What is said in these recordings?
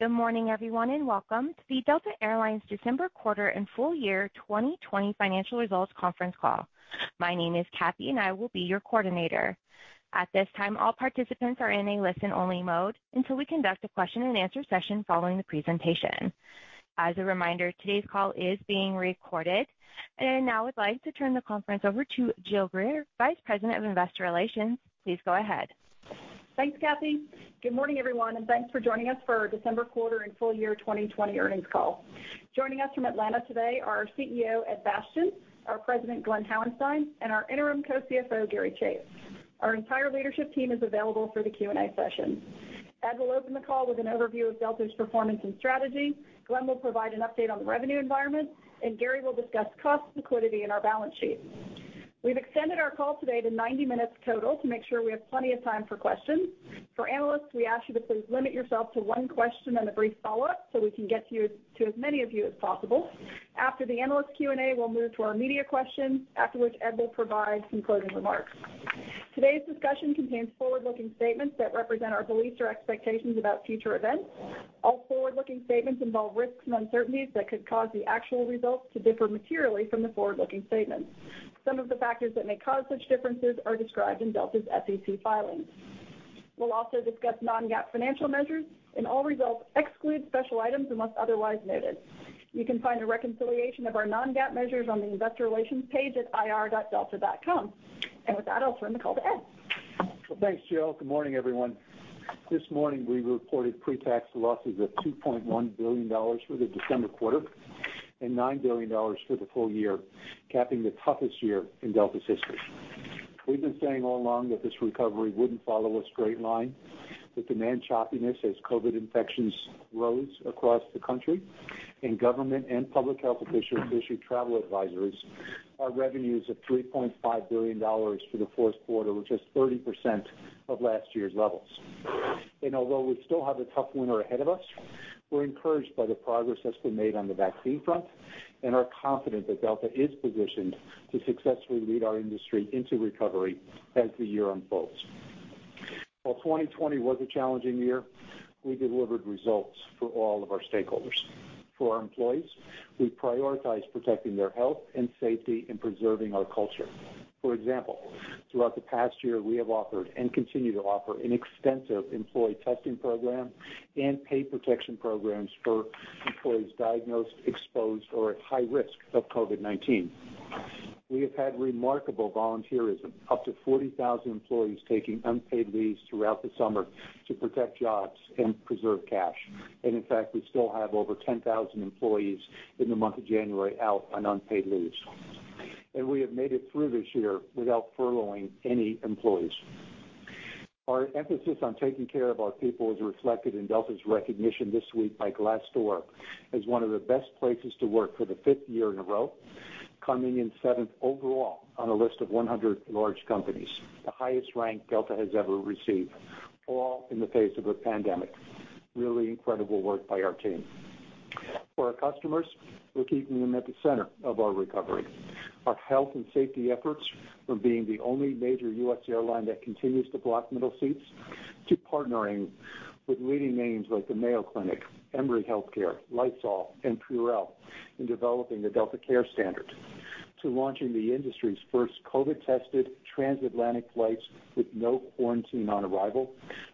Good morning, everyone, welcome to the Delta Air Lines December quarter and full year 2020 financial results conference call. My name is Kathy, and I will be your coordinator. At this time, all participants are in a listen-only mode until we conduct a question and answer session following the presentation. As a reminder, today's call is being recorded. I now would like to turn the conference over to Jill Greer, Vice President of Investor Relations. Please go ahead. Thanks, Kathy. Good morning, everyone, thanks for joining us for our December quarter and full year 2020 earnings call. Joining us from Atlanta today are our CEO, Ed Bastian, our President, Glen Hauenstein, and our interim co-CFO, Gary Chase. Our entire leadership team is available for the Q&A session. Ed will open the call with an overview of Delta's performance and strategy, Glen will provide an update on the revenue environment, and Gary will discuss cost, liquidity, and our balance sheet. We've extended our call today to 90 minutes total to make sure we have plenty of time for questions. For analysts, we ask you to please limit yourself to one question and a brief follow-up so we can get to as many of you as possible. After the analyst Q&A, we'll move to our media questions, after which Ed will provide some closing remarks. Today's discussion contains forward-looking statements that represent our beliefs or expectations about future events. All forward-looking statements involve risks and uncertainties that could cause the actual results to differ materially from the forward-looking statements. Some of the factors that may cause such differences are described in Delta's SEC filings. We'll also discuss non-GAAP financial measures, and all results exclude special items unless otherwise noted. You can find a reconciliation of our non-GAAP measures on the investor relations page at ir.delta.com. With that, I'll turn the call to Ed. Well, thanks, Jill. Good morning, everyone. This morning, we reported pre-tax losses of $2.1 billion for the December quarter and $9 billion for the full year, capping the toughest year in Delta's history. We've been saying all along that this recovery wouldn't follow a straight line. With demand choppiness as COVID-19 infections rose across the country and government and public health officials issued travel advisories, our revenues of $3.5 billion for the fourth quarter were just 30% of last year's levels. Although we still have a tough winter ahead of us, we're encouraged by the progress that's been made on the vaccine front and are confident that Delta is positioned to successfully lead our industry into recovery as the year unfolds. While 2020 was a challenging year, we delivered results for all of our stakeholders. For our employees, we prioritized protecting their health and safety and preserving our culture. For example, throughout the past year, we have offered and continue to offer an extensive employee testing program and pay protection programs for employees diagnosed, exposed, or at high risk of COVID-19. We have had remarkable volunteerism, up to 40,000 employees taking unpaid leaves throughout the summer to protect jobs and preserve cash. In fact, we still have over 10,000 employees in the month of January out on unpaid leaves. We have made it through this year without furloughing any employees. Our emphasis on taking care of our people is reflected in Delta's recognition this week by Glassdoor as one of the Best Places to Work for the fifth year in a row, coming in seventh overall on a list of 100 large companies, the highest rank Delta has ever received, all in the face of a pandemic. Really incredible work by our team. For our customers, we're keeping them at the center of our recovery. Our health and safety efforts, from being the only major U.S. airline that continues to block middle seats to partnering with leading names like the Mayo Clinic, Emory Healthcare, Lysol, and Purell in developing the Delta CareStandard to launching the industry's first COVID-tested trans-Atlantic flights with no quarantine on arrival,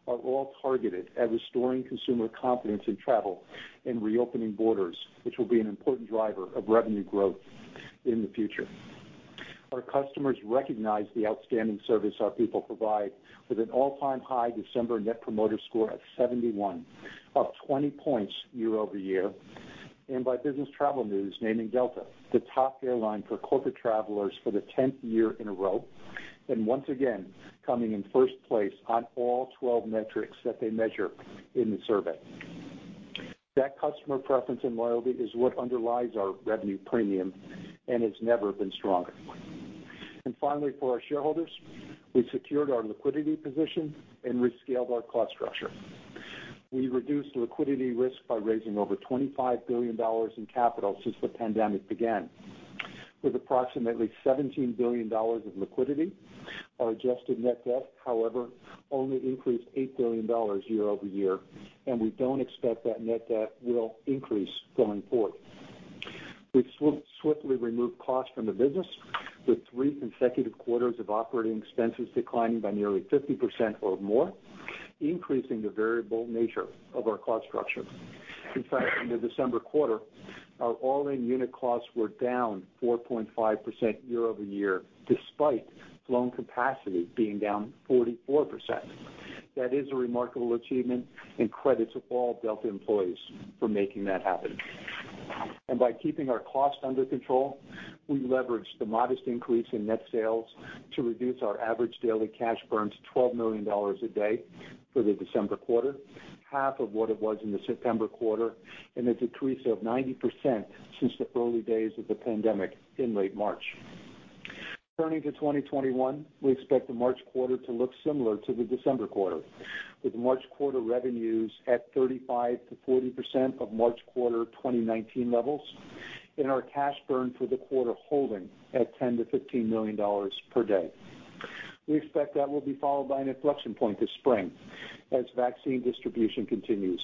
are all targeted at restoring consumer confidence in travel and reopening borders, which will be an important driver of revenue growth in the future. Our customers recognize the outstanding service our people provide with an all-time high December Net Promoter Score of 71, up 20 points year-over-year, and by Business Travel News naming Delta the top airline for corporate travelers for the tenth year in a row, and once again, coming in first place on all 12 metrics that they measure in the survey. That customer preference and loyalty is what underlies our revenue premium and has never been stronger. Finally, for our shareholders, we've secured our liquidity position and rescaled our cost structure. We reduced liquidity risk by raising over $25 billion in capital since the pandemic began. With approximately $17 billion of liquidity, our adjusted net debt, however, only increased $8 billion year-over-year, and we don't expect that net debt will increase going forward. We've swiftly removed costs from the business, with three consecutive quarters of operating expenses declining by nearly 50% or more, increasing the variable nature of our cost structure. In the December quarter, our all-in unit costs were down 4.5% year-over-year, despite flown capacity being down 44%. That is a remarkable achievement and credit to all Delta employees for making that happen. By keeping our costs under control, we leveraged the modest increase in net sales to reduce our average daily cash burn to $12 million a day for the December quarter, half of what it was in the September quarter, and a decrease of 90% since the early days of the pandemic in late March. Turning to 2021, we expect the March quarter to look similar to the December quarter, with March quarter revenues at 35%-40% of March quarter 2019 levels and our cash burn for the quarter holding at $10 million-$15 million per day. We expect that will be followed by an inflection point this spring as vaccine distribution continues,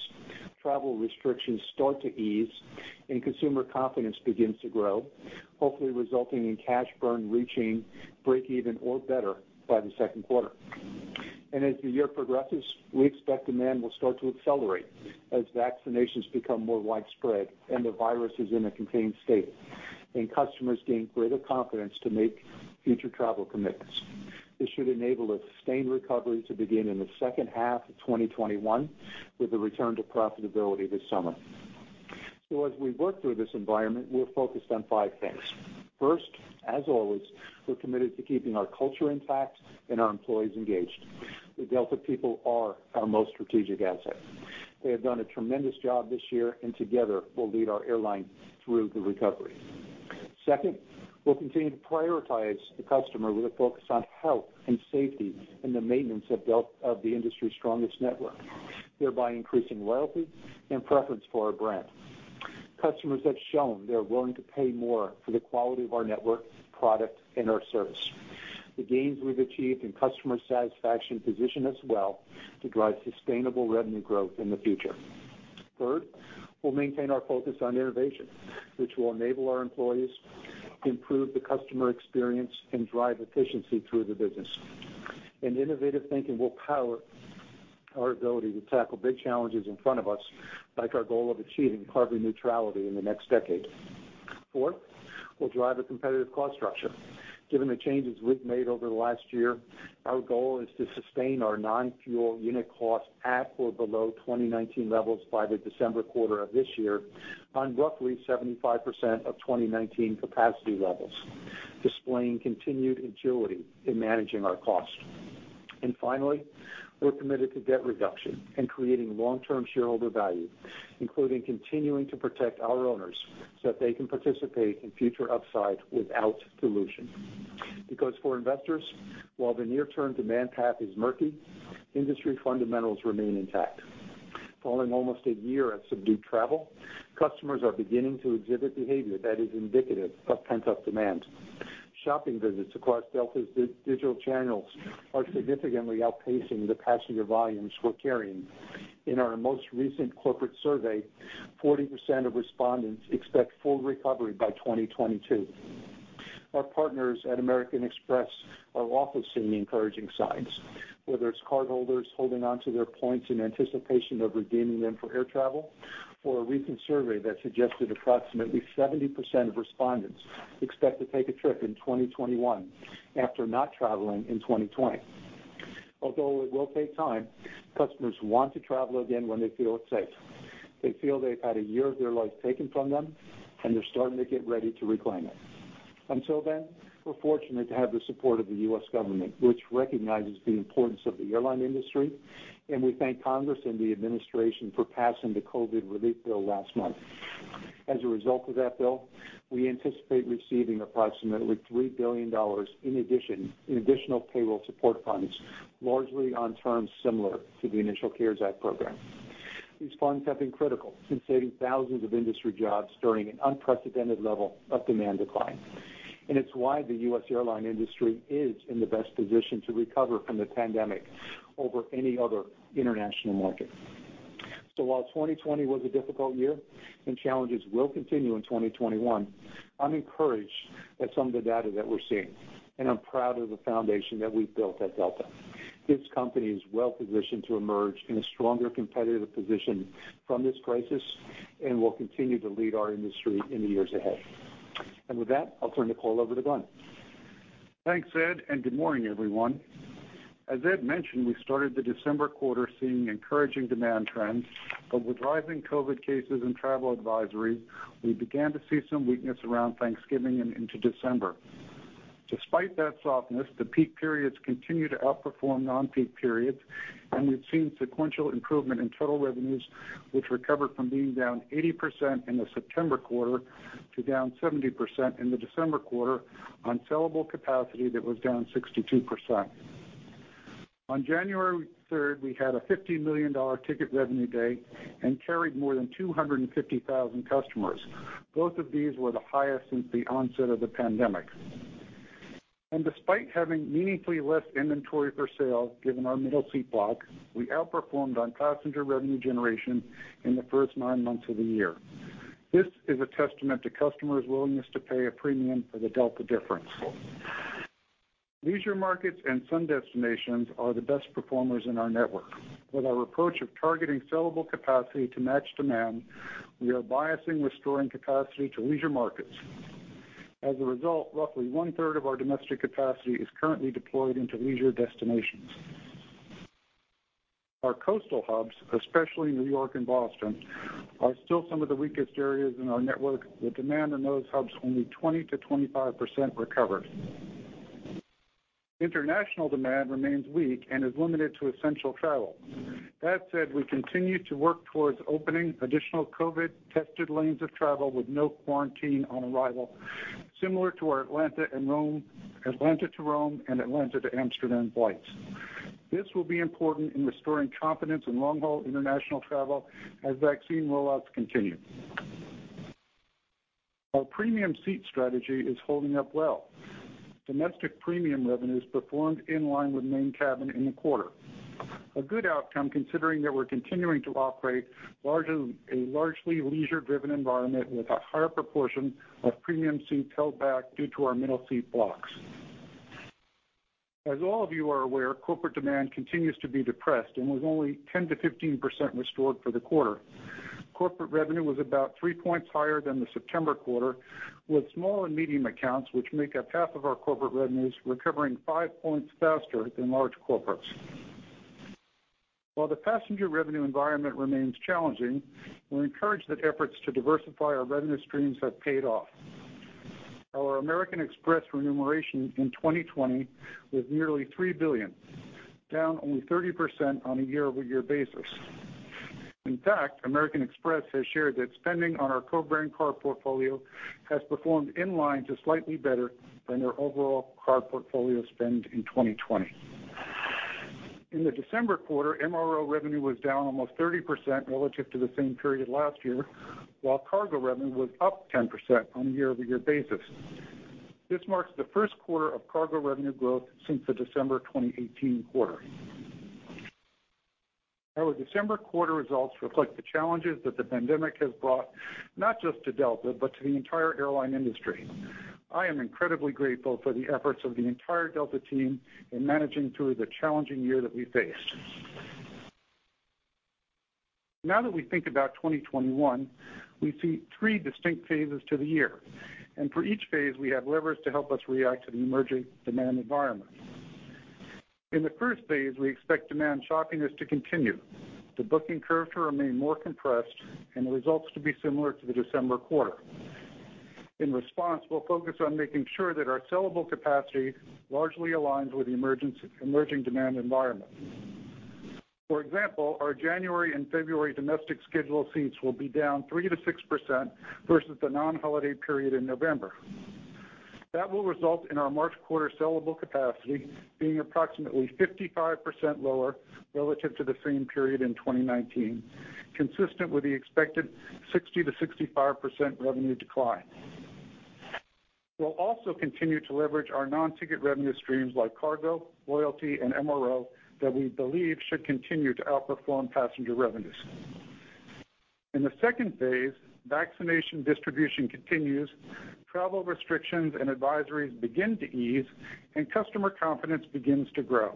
travel restrictions start to ease, and consumer confidence begins to grow, hopefully resulting in cash burn reaching breakeven or better by the second quarter. As the year progresses, we expect demand will start to accelerate as vaccinations become more widespread and the virus is in a contained state, and customers gain greater confidence to make future travel commitments. This should enable a sustained recovery to begin in the second half of 2021 with a return to profitability this summer. As we work through this environment, we're focused on five things. First, as always, we're committed to keeping our culture intact and our employees engaged. The Delta people are our most strategic asset. They have done a tremendous job this year, and together will lead our airline through the recovery. Second, we'll continue to prioritize the customer with a focus on health and safety and the maintenance of the industry's strongest network, thereby increasing loyalty and preference for our brand. Customers have shown they're willing to pay more for the quality of our network, product, and our service. The gains we've achieved in customer satisfaction position us well to drive sustainable revenue growth in the future. Third, we'll maintain our focus on innovation, which will enable our employees to improve the customer experience and drive efficiency through the business. Innovative thinking will power our ability to tackle big challenges in front of us, like our goal of achieving carbon neutrality in the next decade. Fourth, we'll drive a competitive cost structure. Given the changes we've made over the last year, our goal is to sustain our non-fuel unit cost at or below 2019 levels by the December quarter of this year on roughly 75% of 2019 capacity levels, displaying continued agility in managing our cost. Finally, we're committed to debt reduction and creating long-term shareholder value, including continuing to protect our owners so that they can participate in future upside without dilution. For investors, while the near-term demand path is murky, industry fundamentals remain intact. Following almost a year of subdued travel, customers are beginning to exhibit behavior that is indicative of pent-up demand. Shopping visits across Delta's digital channels are significantly outpacing the passenger volumes we're carrying. In our most recent corporate survey, 40% of respondents expect full recovery by 2022. Our partners at American Express are also seeing encouraging signs, whether it's cardholders holding onto their points in anticipation of redeeming them for air travel, or a recent survey that suggested approximately 70% of respondents expect to take a trip in 2021 after not traveling in 2020. Although it will take time, customers want to travel again when they feel it's safe. They feel they've had a year of their life taken from them, and they're starting to get ready to reclaim it. Until then, we're fortunate to have the support of the U.S. government, which recognizes the importance of the airline industry. We thank Congress and the administration for passing the COVID Relief Bill last month. As a result of that bill, we anticipate receiving approximately $3 billion in additional payroll support funds, largely on terms similar to the initial CARES Act program. These funds have been critical in saving thousands of industry jobs during an unprecedented level of demand decline. It's why the U.S. airline industry is in the best position to recover from the pandemic over any other international market. While 2020 was a difficult year, and challenges will continue in 2021, I'm encouraged at some of the data that we're seeing, and I'm proud of the foundation that we've built at Delta. This company is well-positioned to emerge in a stronger competitive position from this crisis and will continue to lead our industry in the years ahead. With that, I'll turn the call over to Glen. Thanks, Ed. Good morning, everyone. As Ed mentioned, we started the December quarter seeing encouraging demand trends, but with rising COVID-19 cases and travel advisories, we began to see some weakness around Thanksgiving and into December. Despite that softness, the peak periods continue to outperform non-peak periods, we've seen sequential improvement in total revenues, which recovered from being down 80% in the September quarter to down 70% in the December quarter on sellable capacity that was down 62%. On January 3rd, we had a $50 million ticket revenue day and carried more than 250,000 customers. Both of these were the highest since the onset of the pandemic. Despite having meaningfully less inventory for sale, given our middle seat block, we outperformed on passenger revenue generation in the first nine months of the year. This is a testament to customers' willingness to pay a premium for the Delta difference. Leisure markets and sun destinations are the best performers in our network. With our approach of targeting sellable capacity to match demand, we are biasing restoring capacity to leisure markets. As a result, roughly one-third of our domestic capacity is currently deployed into leisure destinations. Our coastal hubs, especially New York and Boston, are still some of the weakest areas in our network, with demand in those hubs only 20%-25% recovered. International demand remains weak and is limited to essential travel. That said, we continue to work towards opening additional COVID-tested lanes of travel with no quarantine on arrival, similar to our Atlanta to Rome and Atlanta to Amsterdam flights. This will be important in restoring confidence in long-haul international travel as vaccine roll-outs continue. Our premium seat strategy is holding up well. Domestic premium revenues performed in line with main cabin in the quarter. A good outcome considering that we're continuing to operate a largely leisure-driven environment with a higher proportion of premium seats held back due to our middle seat blocks. As all of you are aware, corporate demand continues to be depressed and was only 10%-15% restored for the quarter. Corporate revenue was about three points higher than the September quarter, with small and medium accounts, which make up half of our corporate revenues, recovering five points faster than large corporates. While the passenger revenue environment remains challenging, we're encouraged that efforts to diversify our revenue streams have paid off. Our American Express remuneration in 2020 was nearly $3 billion, down only 30% on a year-over-year basis. In fact, American Express has shared that spending on our co-brand card portfolio has performed in line to slightly better than their overall card portfolio spend in 2020. In the December quarter, MRO revenue was down almost 30% relative to the same period last year, while cargo revenue was up 10% on a year-over-year basis. This marks the first quarter of cargo revenue growth since the December 2018 quarter. Our December quarter results reflect the challenges that the pandemic has brought, not just to Delta, but to the entire airline industry. I am incredibly grateful for the efforts of the entire Delta team in managing through the challenging year that we faced. Now that we think about 2021, we see three distinct phases to the year, and for each phase, we have levers to help us react to the emerging demand environment. In the first phase, we expect demand choppiness to continue, the booking curve to remain more compressed, and the results to be similar to the December quarter. In response, we'll focus on making sure that our sellable capacity largely aligns with the emerging demand environment. For example, our January and February domestic scheduled seats will be down 3%-6% versus the non-holiday period in November. That will result in our March quarter sellable capacity being approximately 55% lower relative to the same period in 2019, consistent with the expected 60%-65% revenue decline. We'll also continue to leverage our non-ticket revenue streams like cargo, loyalty, and MRO that we believe should continue to outperform passenger revenues. In the second phase, vaccination distribution continues, travel restrictions and advisories begin to ease, and customer confidence begins to grow.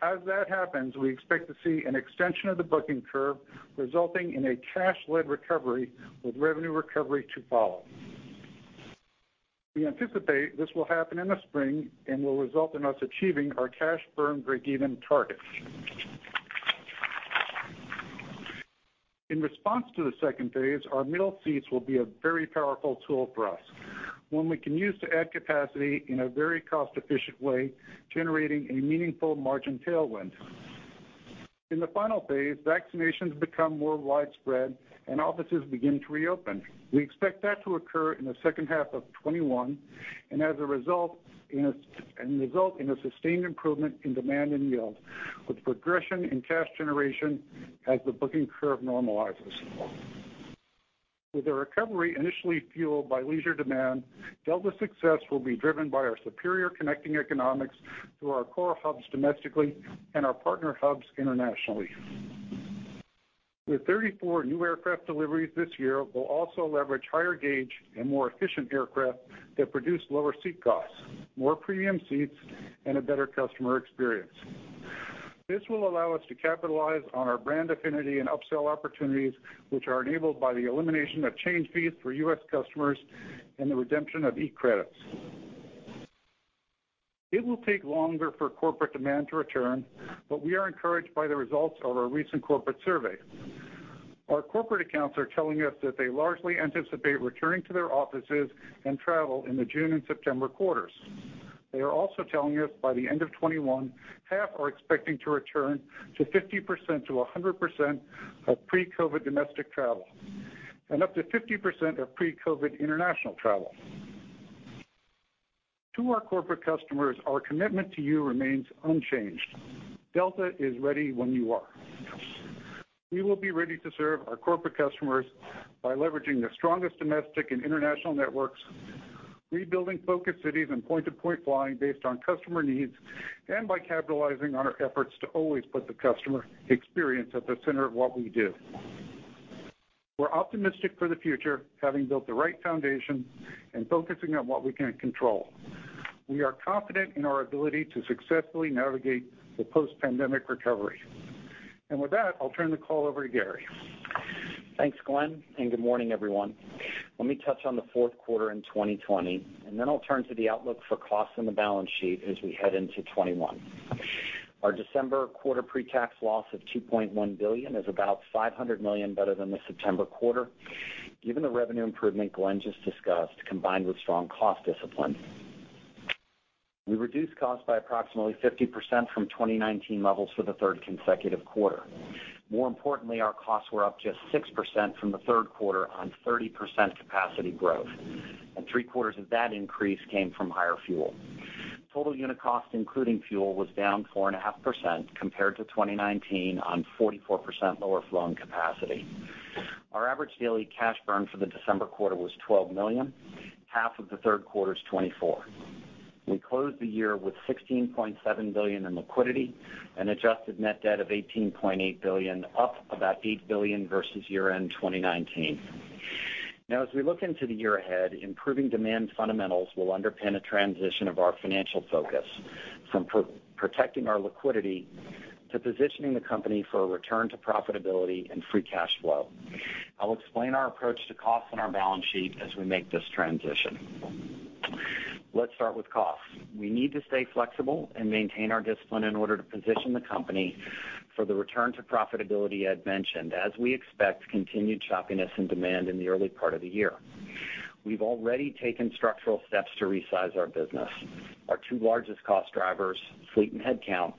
As that happens, we expect to see an extension of the booking curve, resulting in a cash-led recovery, with revenue recovery to follow. We anticipate this will happen in the spring and will result in us achieving our cash burn breakeven targets. In response to the second phase, our middle seats will be a very powerful tool for us, one we can use to add capacity in a very cost-efficient way, generating a meaningful margin tailwind. In the final phase, vaccinations become more widespread and offices begin to reopen. We expect that to occur in the second half of 2021, and result in a sustained improvement in demand and yield, with progression in cash generation as the booking curve normalizes. With the recovery initially fuelled by leisure demand, Delta's success will be driven by our superior connecting economics through our core hubs domestically and our partner hubs internationally. With 34 new aircraft deliveries this year, we'll also leverage higher gauge and more efficient aircraft that produce lower seat costs, more premium seats, and a better customer experience. This will allow us to capitalize on our brand affinity and upsell opportunities, which are enabled by the elimination of change fees for U.S. customers and the redemption of eCredits. It will take longer for corporate demand to return, but we are encouraged by the results of our recent corporate survey. Our corporate accounts are telling us that they largely anticipate returning to their offices and travel in the June and September quarters. They are also telling us by the end of 2021, half are expecting to return to 50%-100% of pre-COVID domestic travel and up to 50% of pre-COVID international travel. To our corporate customers, our commitment to you remains unchanged. Delta is ready when you are. We will be ready to serve our corporate customers by leveraging the strongest domestic and international networks, rebuilding focus cities and point-to-point flying based on customer needs, and by capitalizing on our efforts to always put the customer experience at the center of what we do. We're optimistic for the future, having built the right foundation and focusing on what we can control. We are confident in our ability to successfully navigate the post-pandemic recovery. With that, I'll turn the call over to Gary. Thanks, Glen. Good morning, everyone. Let me touch on the fourth quarter in 2020, and then I'll turn to the outlook for costs and the balance sheet as we head into 2021. Our December quarter pre-tax loss of $2.1 billion is about $500 million better than the September quarter. Given the revenue improvement Glen just discussed, combined with strong cost discipline, we reduced costs by approximately 50% from 2019 levels for the third consecutive quarter. More importantly, our costs were up just 6% from the third quarter on 30% capacity growth. Three quarters of that increase came from higher fuel. Total unit cost, including fuel, was down 4.5% compared to 2019 on 44% lower flown capacity. Our average daily cash burn for the December quarter was $12 million, half of the third quarter's $24 million. We closed the year with $16.7 billion in liquidity and adjusted net debt of $18.8 billion, up about $8 billion versus year-end 2019. As we look into the year ahead, improving demand fundamentals will underpin a transition of our financial focus from protecting our liquidity to positioning the company for a return to profitability and free cash flow. I'll explain our approach to costs and our balance sheet as we make this transition. Let's start with costs. We need to stay flexible and maintain our discipline in order to position the company for the return to profitability I had mentioned, as we expect continued choppiness in demand in the early part of the year. We've already taken structural steps to resize our business. Our two largest cost drivers, fleet and headcount,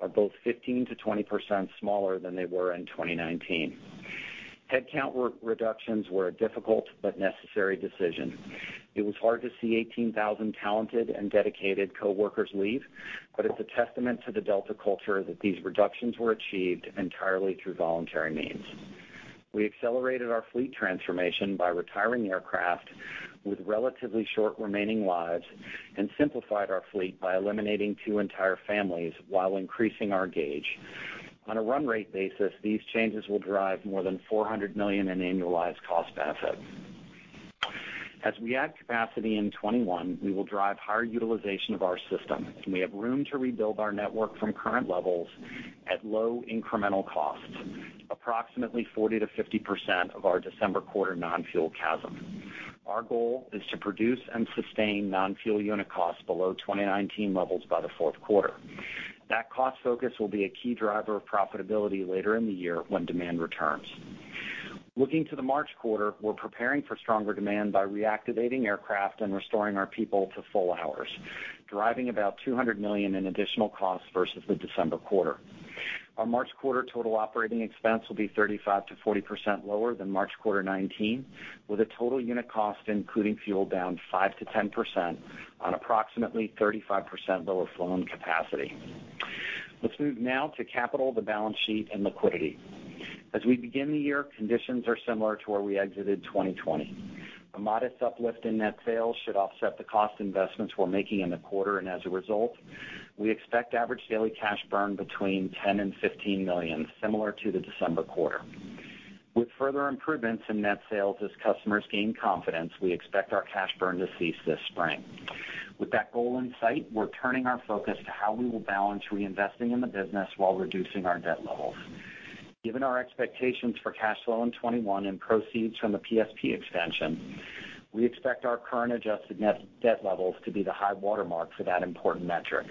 are both 15%-20% smaller than they were in 2019. Headcount reductions were a difficult but necessary decision. It was hard to see 18,000 talented and dedicated coworkers leave, but it's a testament to the Delta culture that these reductions were achieved entirely through voluntary means. We accelerated our fleet transformation by retiring aircraft with relatively short remaining lives and simplified our fleet by eliminating two entire families while increasing our gauge. On a run rate basis, these changes will drive more than $400 million in annualized cost benefit. As we add capacity in 2021, we will drive higher utilization of our system, and we have room to rebuild our network from current levels at low incremental cost, approximately 40%-50% of our December quarter non-fuel CASM. Our goal is to produce and sustain non-fuel unit costs below 2019 levels by the fourth quarter. That cost focus will be a key driver of profitability later in the year when demand returns. Looking to the March quarter, we're preparing for stronger demand by reactivating aircraft and restoring our people to full hours, driving about $200 million in additional costs versus the December quarter. Our March quarter total operating expense will be 35%-40% lower than March quarter 2019, with a total unit cost, including fuel, down 5%-10% on approximately 35% lower flown capacity. Let's move now to capital, the balance sheet, and liquidity. As we begin the year, conditions are similar to where we exited 2020. A modest uplift in net sales should offset the cost investments we're making in the quarter. As a result, we expect average daily cash burn between $10 million and $15 million, similar to the December quarter. With further improvements in net sales as customers gain confidence, we expect our cash burn to cease this spring. With that goal in sight, we're turning our focus to how we will balance reinvesting in the business while reducing our debt levels. Given our expectations for cash flow in 2021 and proceeds from the PSP extension, we expect our current adjusted net debt levels to be the high watermark for that important metric.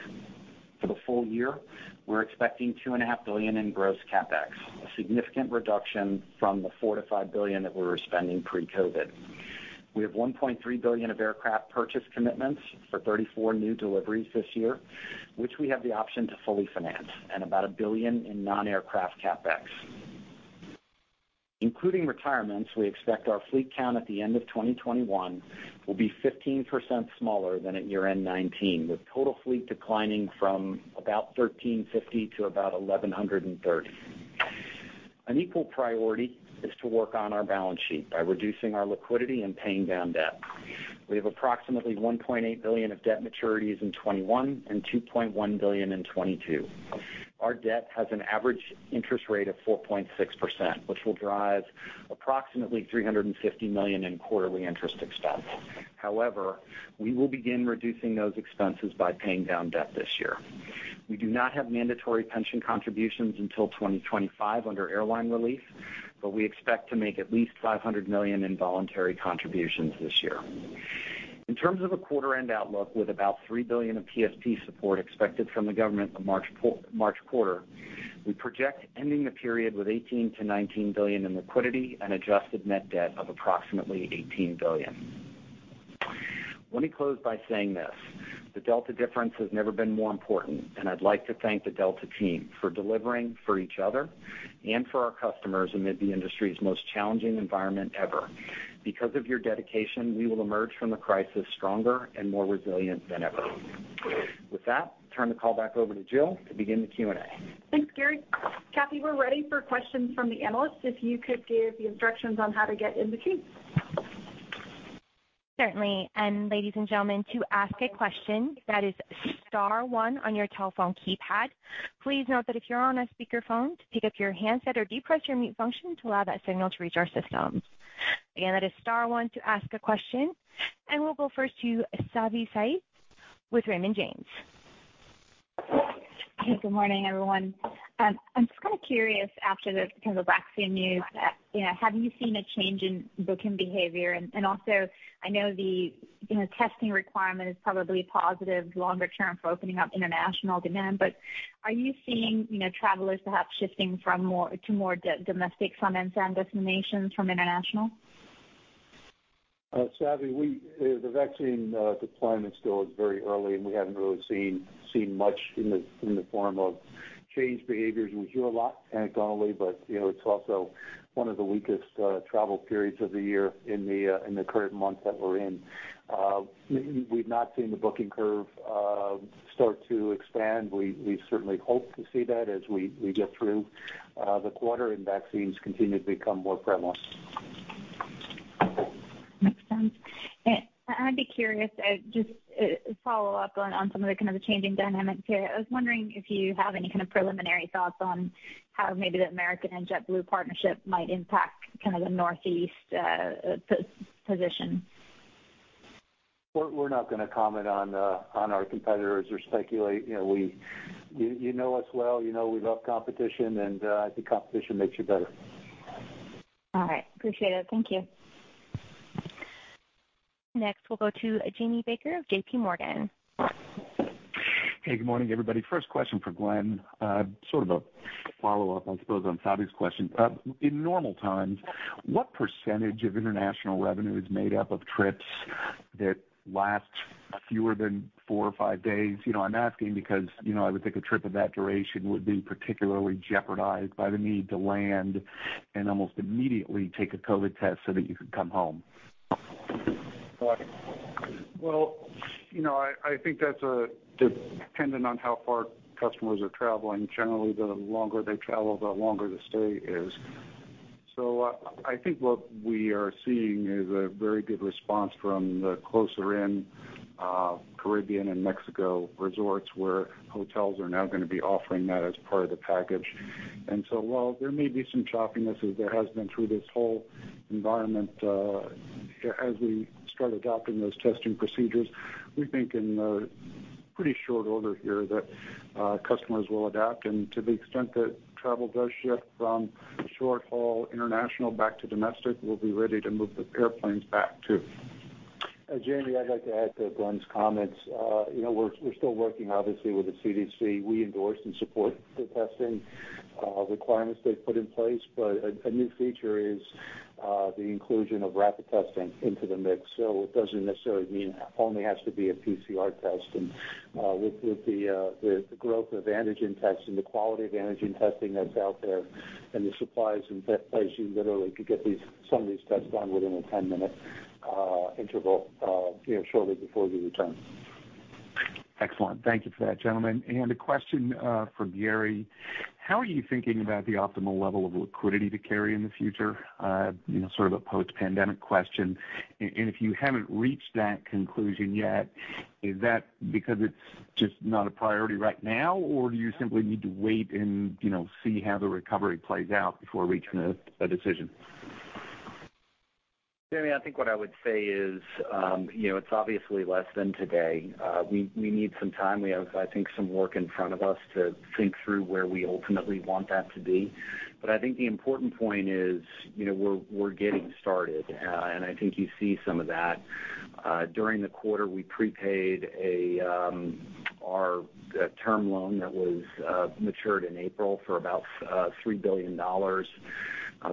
For the full year, we're expecting $2.5 billion in gross CapEx, a significant reduction from the $4 billion-$5 billion that we were spending pre-COVID. We have $1.3 billion of aircraft purchase commitments for 34 new deliveries this year, which we have the option to fully finance, and about $1 billion in non-aircraft CapEx. Including retirements, we expect our fleet count at the end of 2021 will be 15% smaller than at year-end 2019, with total fleet declining from about 1,350 to about 1,130. An equal priority is to work on our balance sheet by reducing our liquidity and paying down debt. We have approximately $1.8 billion of debt maturities in 2021 and $2.1 billion in 2022. Our debt has an average interest rate of 4.6%, which will drive approximately $350 million in quarterly interest expense. However, we will begin reducing those expenses by paying down debt this year. We do not have mandatory pension contributions until 2025 under airline relief, but we expect to make at least $500 million in voluntary contributions this year. In terms of a quarter-end outlook, with about $3 billion of PSP support expected from the government the March quarter, we project ending the period with $18 billion-$19 billion in liquidity and adjusted net debt of approximately $18 billion. Let me close by saying this, the Delta difference has never been more important, and I'd like to thank the Delta team for delivering for each other and for our customers amid the industry's most challenging environment ever. Because of your dedication, we will emerge from the crisis stronger and more resilient than ever. With that, turn the call back over to Jill to begin the Q&A. Thanks, Gary. Kathy, we're ready for questions from the analysts, if you could give the instructions on how to get in the queue. Certainly. Ladies and gentlemen, to ask a question, that is star one on your telephone keypad. Please note that if you're on a speakerphone, to pick up your handset or depress your mute function to allow that signal to reach our system. Again, that is star one to ask a question, and we'll go first to Savanthi Syth with Raymond James. Hey, good morning, everyone. I'm just kind of curious after the kind of vaccine news, have you seen a change in booking behavior? Also, I know the testing requirement is probably a positive longer term for opening up international demand, but are you seeing travelers perhaps shifting to more domestic sun and sand destinations from international? Savi, the vaccine deployment still is very early, and we haven't really seen much in the form of. Change behaviours. We hear a lot anecdotally. It's also one of the weakest travel periods of the year in the current month that we're in. We've not seen the booking curve start to expand. We certainly hope to see that as we get through the quarter and vaccines continue to become more prevalent. Makes sense. I'd be curious, just a follow-up on some of the changing dynamics here. I was wondering if you have any kind of preliminary thoughts on how maybe the American and JetBlue partnership might impact kind of the Northeast position. We're not going to comment on our competitors or speculate. You know us well, you know we love competition, and I think competition makes you better. All right. Appreciate it. Thank you. Next, we'll go to Jamie Baker of J.P. Morgan. Hey, good morning, everybody. First question for Glen. Sort of a follow-up, I suppose, on Savi's question. In normal times, what percentage of international revenue is made up of trips that last fewer than four or five days? I'm asking because I would think a trip of that duration would be particularly jeopardized by the need to land and almost immediately take a COVID test so that you can come home. I think that's dependent on how far customers are traveling. Generally, the longer they travel, the longer the stay is. I think what we are seeing is a very good response from the closer in Caribbean and Mexico resorts where hotels are now going to be offering that as part of the package. While there may be some choppiness as there has been through this whole environment, as we start adopting those testing procedures, we think in pretty short order here that customers will adapt. To the extent that travel does shift from short-haul international back to domestic, we'll be ready to move the airplanes back, too. Jamie, I'd like to add to Glen's comments. We're still working obviously with the CDC. We endorse and support the testing requirements they've put in place. A new feature is the inclusion of rapid testing into the mix. It doesn't necessarily mean it only has to be a PCR test. With the growth of antigen testing, the quality of the antigen testing that's out there and the supplies in place, you literally could get some of these tests done within a 10-minute interval shortly before you return. Excellent. Thank you for that, gentlemen. A question for Gary. How are you thinking about the optimal level of liquidity to carry in the future? Sort of a post-pandemic question. If you haven't reached that conclusion yet, is that because it's just not a priority right now, or do you simply need to wait and see how the recovery plays out before reaching a decision? Jamie, I think what I would say is it's obviously less than today. We need some time. We have, I think, some work in front of us to think through where we ultimately want that to be. I think the important point is we're getting started, and I think you see some of that. During the quarter, we prepaid our term loan that was matured in April for about $3 billion.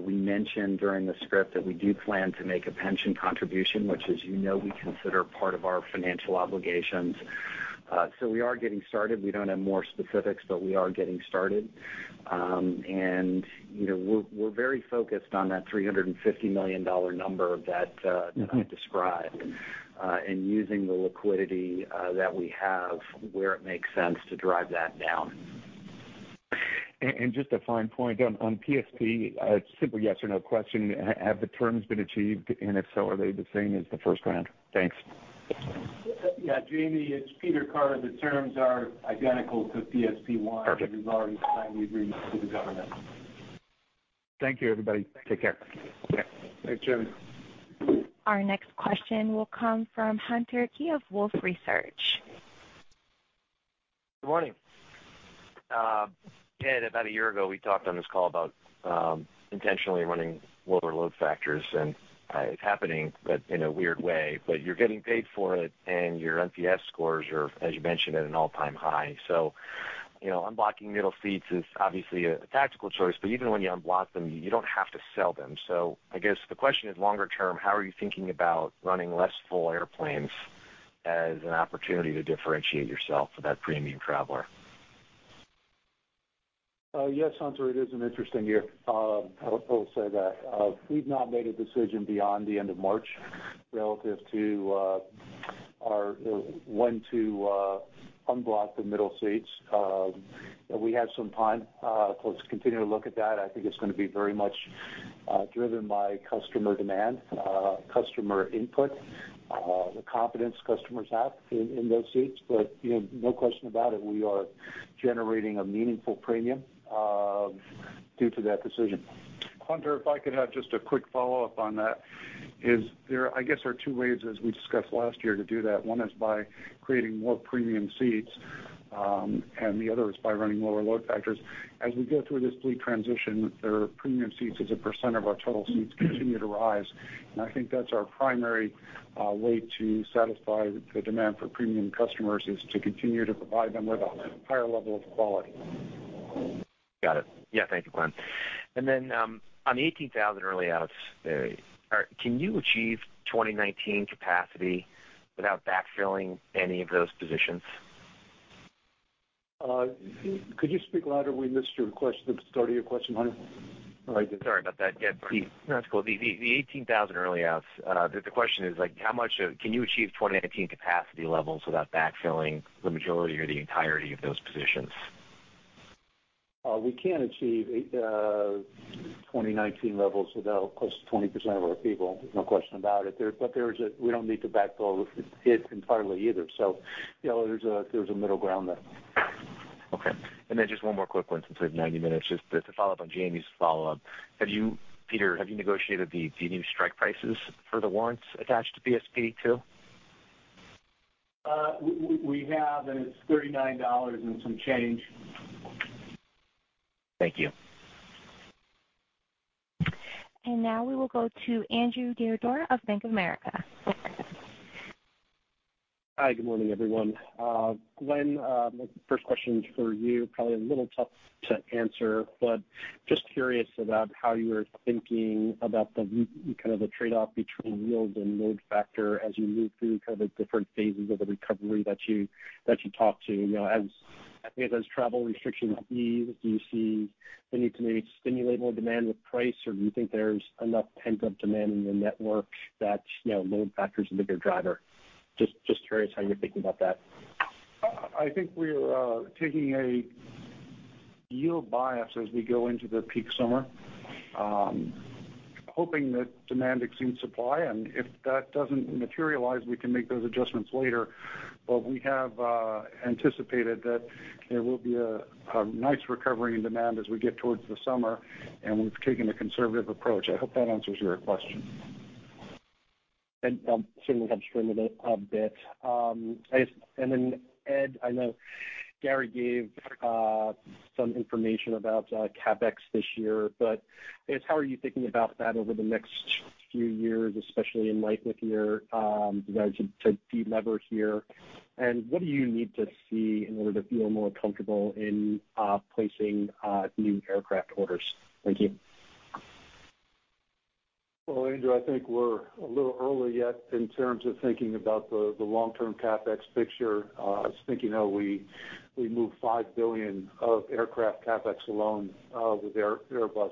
We mentioned during the script that we do plan to make a pension contribution, which, as you know, we consider part of our financial obligations. We are getting started. We don't have more specifics, we are getting started. We're very focused on that $350 million number that I described and using the liquidity that we have where it makes sense to drive that down. Just a fine point on PSP, a simple yes or no question, have the terms been achieved, and if so, are they the same as the first round? Thanks. Yeah, Jamie, it's Peter Carter. The terms are identical to PSP 1. Perfect which we've already signed the agreement to the government. Thank you, everybody. Take care. Thanks Jamie. Our next question will come from Hunter Keay of Wolfe Research. Good morning. Ed, about a year ago, we talked on this call about intentionally running lower load factors, and it's happening, but in a weird way. You're getting paid for it and your NPS scores are, as you mentioned, at an all-time high. Unblocking middle seats is obviously a tactical choice, but even when you unblock them, you don't have to sell them. I guess the question is longer term, how are you thinking about running less full airplanes as an opportunity to differentiate yourself for that premium traveller? Yes, Hunter, it is an interesting year. I will say that we've not made a decision beyond the end of March relative to when to unblock the middle seats. We have some time, so let's continue to look at that. I think it's going to be very much driven by customer demand, customer input, the confidence customers have in those seats. No question about it, we are generating a meaningful premium due to that decision. Hunter, if I could have just a quick follow-up on that, I guess, there are two ways, as we discussed last year, to do that. One is by creating more premium seats, the other is by running lower load factors. As we go through this fleet transition, our premium seats as a percentage of our total seats continue to rise. I think that's our primary way to satisfy the demand for premium customers is to continue to provide them with a higher level of quality. Got it. Yeah. Thank you, Glen. On the 18,000 early outs, can you achieve 2019 capacity without backfilling any of those positions? Could you speak louder? We missed the start of your question. Sorry about that. Yeah, the 18,000 early outs, the question is can you achieve 2019 capacity levels without backfilling the majority or the entirety of those positions? We can achieve 2019 levels without close to 20% of our people. There's no question about it. We don't need to backfill it entirely either. There's a middle ground there. Okay. Just one more quick one, since we have 90 minutes, just to follow up on Jamie's follow-up. Peter, have you negotiated the new strike prices for the warrants attached to PSP 2? We have, and it's $39 and some change. Thank you. Now we will go to Andrew Didora of Bank of America. Hi, good morning, everyone. Glen, my first question is for you. Probably a little tough to answer, but just curious about how you are thinking about the trade-off between yield and load factor as you move through the different phases of the recovery that you talked to. As those travel restrictions ease, do you see the need to maybe stimulate more demand with price, or do you think there's enough pent-up demand in the network that load factor is a bigger driver? Just curious how you're thinking about that. I think we're taking a yield bias as we go into the peak summer, hoping that demand exceeds supply. If that doesn't materialize, we can make those adjustments later. We have anticipated that there will be a nice recovery in demand as we get towards the summer, and we've taken a conservative approach. I hope that answers your question. It certainly helps frame it a bit. Ed, I know Gary gave some information about CapEx this year, how are you thinking about that over the next few years, especially in light with your desire to de-lever here? What do you need to see in order to feel more comfortable in placing new aircraft orders? Thank you. Well, Andrew, I think we're a little early yet in terms of thinking about the long-term CapEx picture. I was thinking how we moved $5 billion of aircraft CapEx alone with Airbus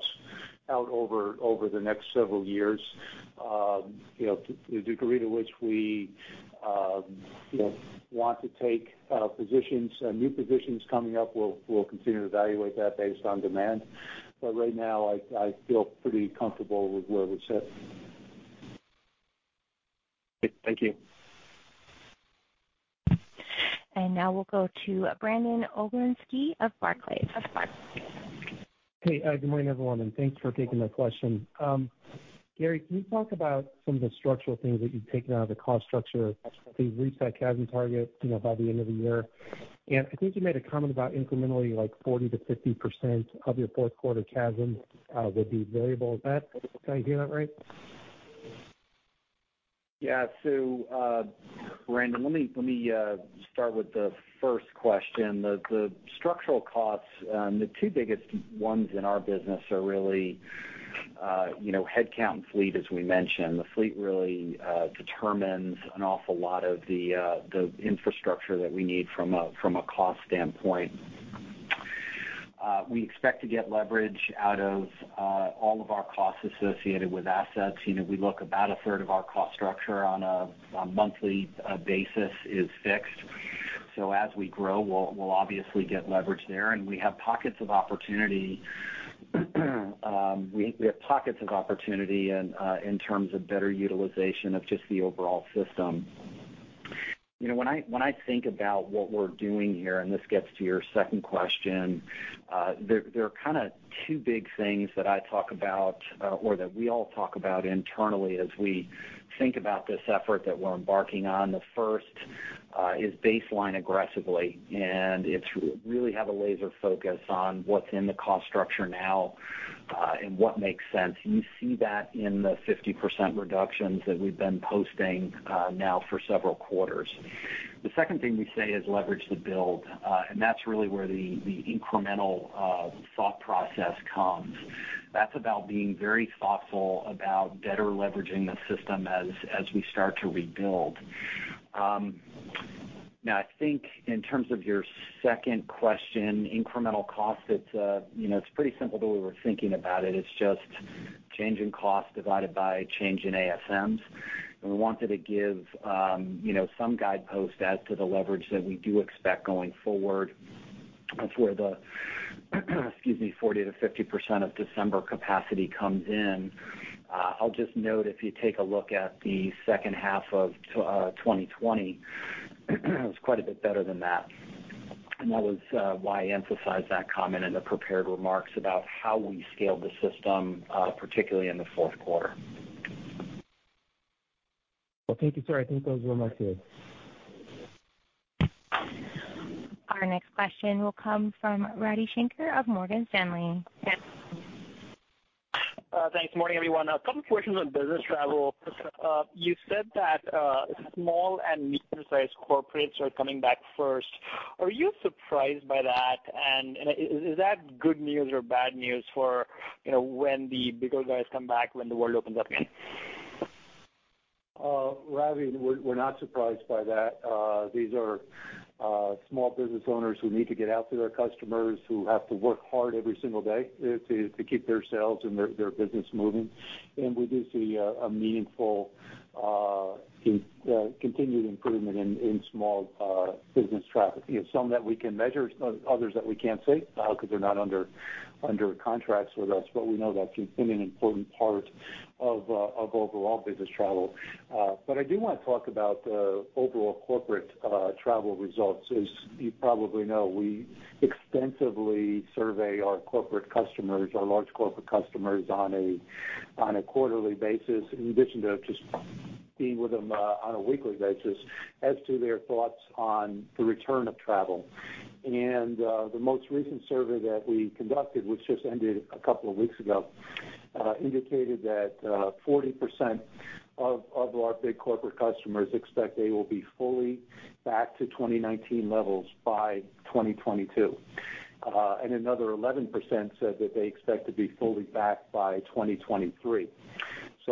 out over the next several years. The degree to which we want to take positions, new positions coming up, we'll continue to evaluate that based on demand. Right now, I feel pretty comfortable with where we sit. Thank you. Now we'll go to Brandon Oglenski of Barclays. Hey, good morning, everyone, and thanks for taking my question. Gary, can you talk about some of the structural things that you've taken out of the cost structure to reach that CASM target by the end of the year? I think you made a comment about incrementally, like 40%-50% of your fourth quarter CASM will be variable. Did I hear that right? Yeah. Brandon, let me start with the first question. The structural costs, the two biggest ones in our business are really headcount and fleet, as we mentioned. The fleet really determines an awful lot of the infrastructure that we need from a cost standpoint. We expect to get leverage out of all of our costs associated with assets. About a third of our cost structure on a monthly basis is fixed. As we grow, we'll obviously get leverage there, and we have pockets of opportunity in terms of better utilization of just the overall system. When I think about what we're doing here, and this gets to your second question, there are two big things that I talk about, or that we all talk about internally as we think about this effort that we're embarking on. The first is baseline aggressively, it's really have a laser focus on what's in the cost structure now and what makes sense. You see that in the 50% reductions that we've been posting now for several quarters. The second thing we say is leverage the build, that's really where the incremental thought process comes. That's about being very thoughtful about better leveraging the system as we start to rebuild. Now, I think in terms of your second question, incremental cost, it's pretty simple the way we're thinking about it. It's just change in cost divided by change in ASMs. We wanted to give some guideposts as to the leverage that we do expect going forward for the, excuse me, 40%-50% of December capacity comes in. I'll just note, if you take a look at the second half of 2020, it was quite a bit better than that. That was why I emphasized that comment in the prepared remarks about how we scaled the system, particularly in the fourth quarter. Well, thank you, sir. I think those were my two. Our next question will come from Ravi Shanker of Morgan Stanley. Nice morning, everyone. A couple questions on business travel. You said that small and midsize corporates are coming back first. Are you surprised by that? Is that good news or bad news for when the bigger guys come back, when the world opens up again? Ravi, we're not surprised by that. These are small business owners who need to get out to their customers, who have to work hard every single day to keep their sales and their business moving. We do see a meaningful continued improvement in small business traffic. Some that we can measure, others that we can't see because they're not under contracts with us, but we know that's been an important part of overall business travel. I do want to talk about the overall corporate travel results. As you probably know, we extensively survey our corporate customers, our large corporate customers, on a quarterly basis, in addition to just being with them on a weekly basis, as to their thoughts on the return of travel. The most recent survey that we conducted, which just ended a couple of weeks ago, indicated that 40% of our big corporate customers expect they will be fully back to 2019 levels by 2022. Another 11% said that they expect to be fully back by 2023.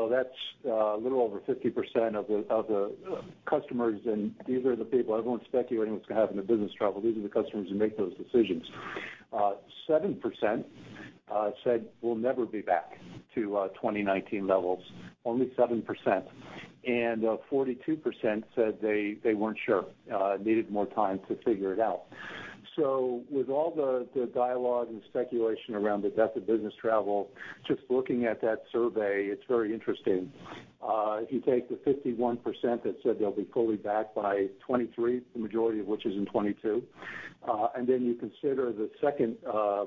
That's a little over 50% of the customers, and these are the people. Everyone's speculating what's going to happen to business travel. These are the customers who make those decisions. 7% said we'll never be back to 2019 levels. Only 7%. 42% said they weren't sure, needed more time to figure it out. With all the dialogue and speculation around the death of business travel, just looking at that survey, it's very interesting. If you take the 51% that said they'll be fully back by 2023, the majority of which is in 2022, and then you consider the second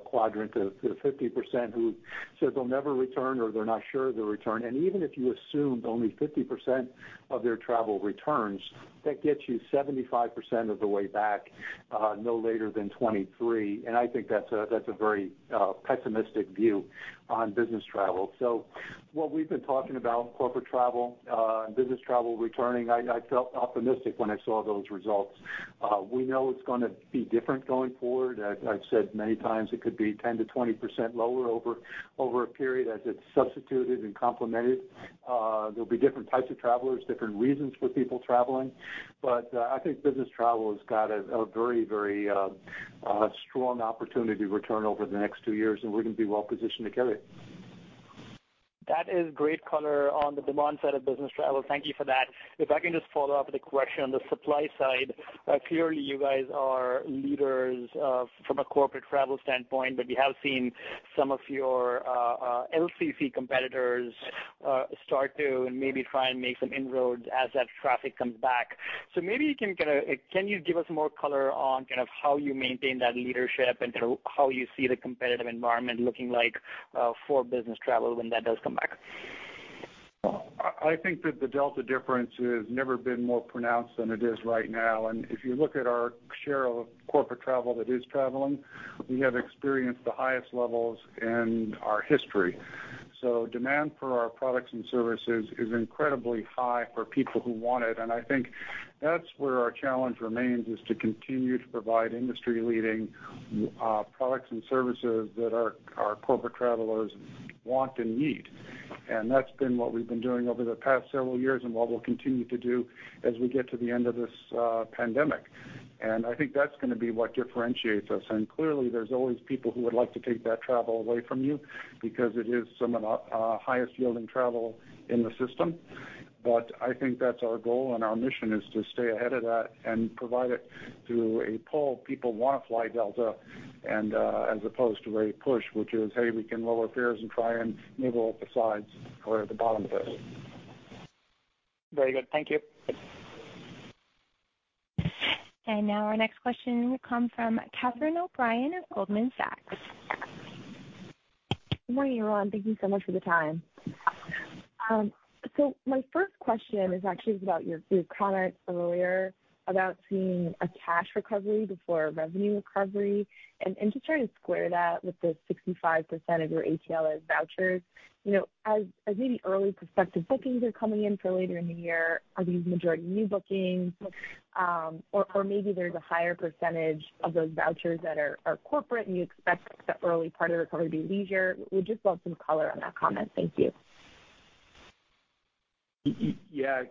quadrant of the 50% who said they'll never return, or they're not sure they'll return. Even if you assumed only 50% of their travel returns, that gets you 75% of the way back, no later than 2023. I think that's a very pessimistic view on business travel. What we've been talking about corporate travel and business travel returning, I felt optimistic when I saw those results. We know it's going to be different going forward. I've said many times it could be 10%-20% lower over a period as it's substituted and complemented. There'll be different types of travellers, different reasons for people traveling. I think business travel has got a very strong opportunity to return over the next two years, and we're going to be well positioned to carry it. That is great color on the demand side of business travel. Thank you for that. If I can just follow up with a question on the supply side. Clearly, you guys are leaders from a corporate travel standpoint, but we have seen some of your LCC competitors start to and maybe try and make some inroads as that traffic comes back. Maybe can you give us more color on how you maintain that leadership and how you see the competitive environment looking like for business travel when that does come back? I think that the Delta difference has never been more pronounced than it is right now. If you look at our share of corporate travel that is travelling, we have experienced the highest levels in our history. Demand for our products and services is incredibly high for people who want it. I think that's where our challenge remains, is to continue to provide industry-leading products and services that our corporate travellers want and need. That's been what we've been doing over the past several years and what we'll continue to do as we get to the end of this pandemic. I think that's going to be what differentiates us. Clearly, there's always people who would like to take that travel away from you because it is some of our highest yielding travel in the system. I think that's our goal and our mission is to stay ahead of that and provide it through a pull. People want to fly Delta and as opposed to a push, which is, hey, we can lower fares and try and nibble at the sides or at the bottom of this. Very good. Thank you. Now our next question will come from Catherine O'Brien of Goldman Sachs. Good morning, everyone. Thank you so much for the time. My first question is actually about your comment earlier about seeing a cash recovery before a revenue recovery and just trying to square that with the 65% of your ATL as vouchers. As maybe early prospective bookings are coming in for later in the year, are these majority new bookings? Or maybe there's a higher percentage of those vouchers that are corporate and you expect the early part of the recovery to be leisure. Would just love some color on that comment. Thank you. Yeah,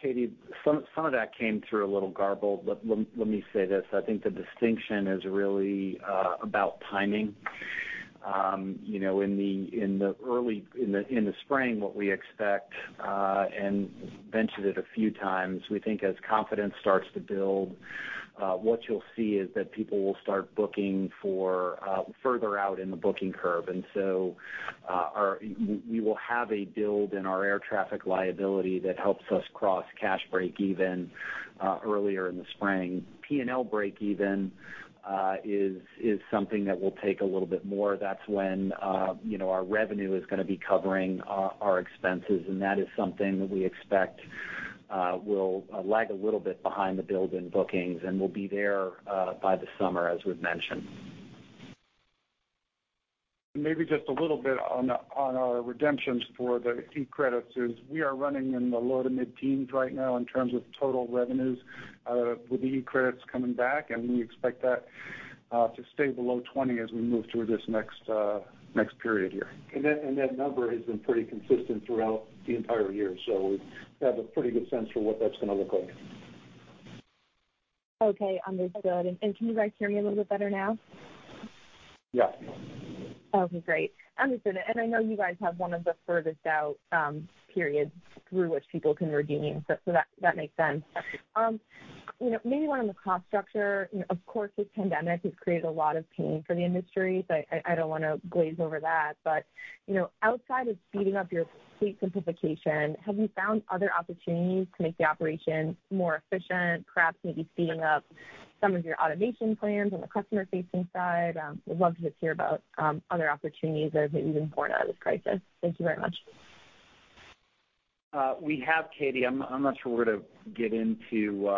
Katie, some of that came through a little garbled, but let me say this. I think the distinction is really about timing. In the spring, what we expect, and mentioned it a few times, we think as confidence starts to build, what you'll see is that people will start booking for further out in the booking curve. We will have a build in our Air Traffic Liability that helps us cross cash break even earlier in the spring. P&L break even is something that will take a little bit more. That's when our revenue is going to be covering our expenses, that is something that we expect. will lag a little bit behind the build in bookings and will be there by the summer, as we've mentioned. Maybe just a little bit on our redemptions for the eCredits is we are running in the low to mid-teens right now in terms of total revenues with the eCredits coming back. We expect that to stay below 20 as we move through this next period here. That number has been pretty consistent throughout the entire year, so we have a pretty good sense for what that's going to look like. Okay, understood. Can you guys hear me a little bit better now? Yes. Okay, great. Understood. I know you guys have one of the furthest out periods through which people can redeem, so that makes sense. Maybe one on the cost structure. Of course, this pandemic has created a lot of pain for the industry, so I don't want to glaze over that. Outside of speeding up your fleet simplification, have you found other opportunities to make the operation more efficient, perhaps maybe speeding up some of your automation plans on the customer-facing side? I'd love to just hear about other opportunities that have maybe been born out of this crisis. Thank you very much. We have, Katie. I'm not sure we're to get into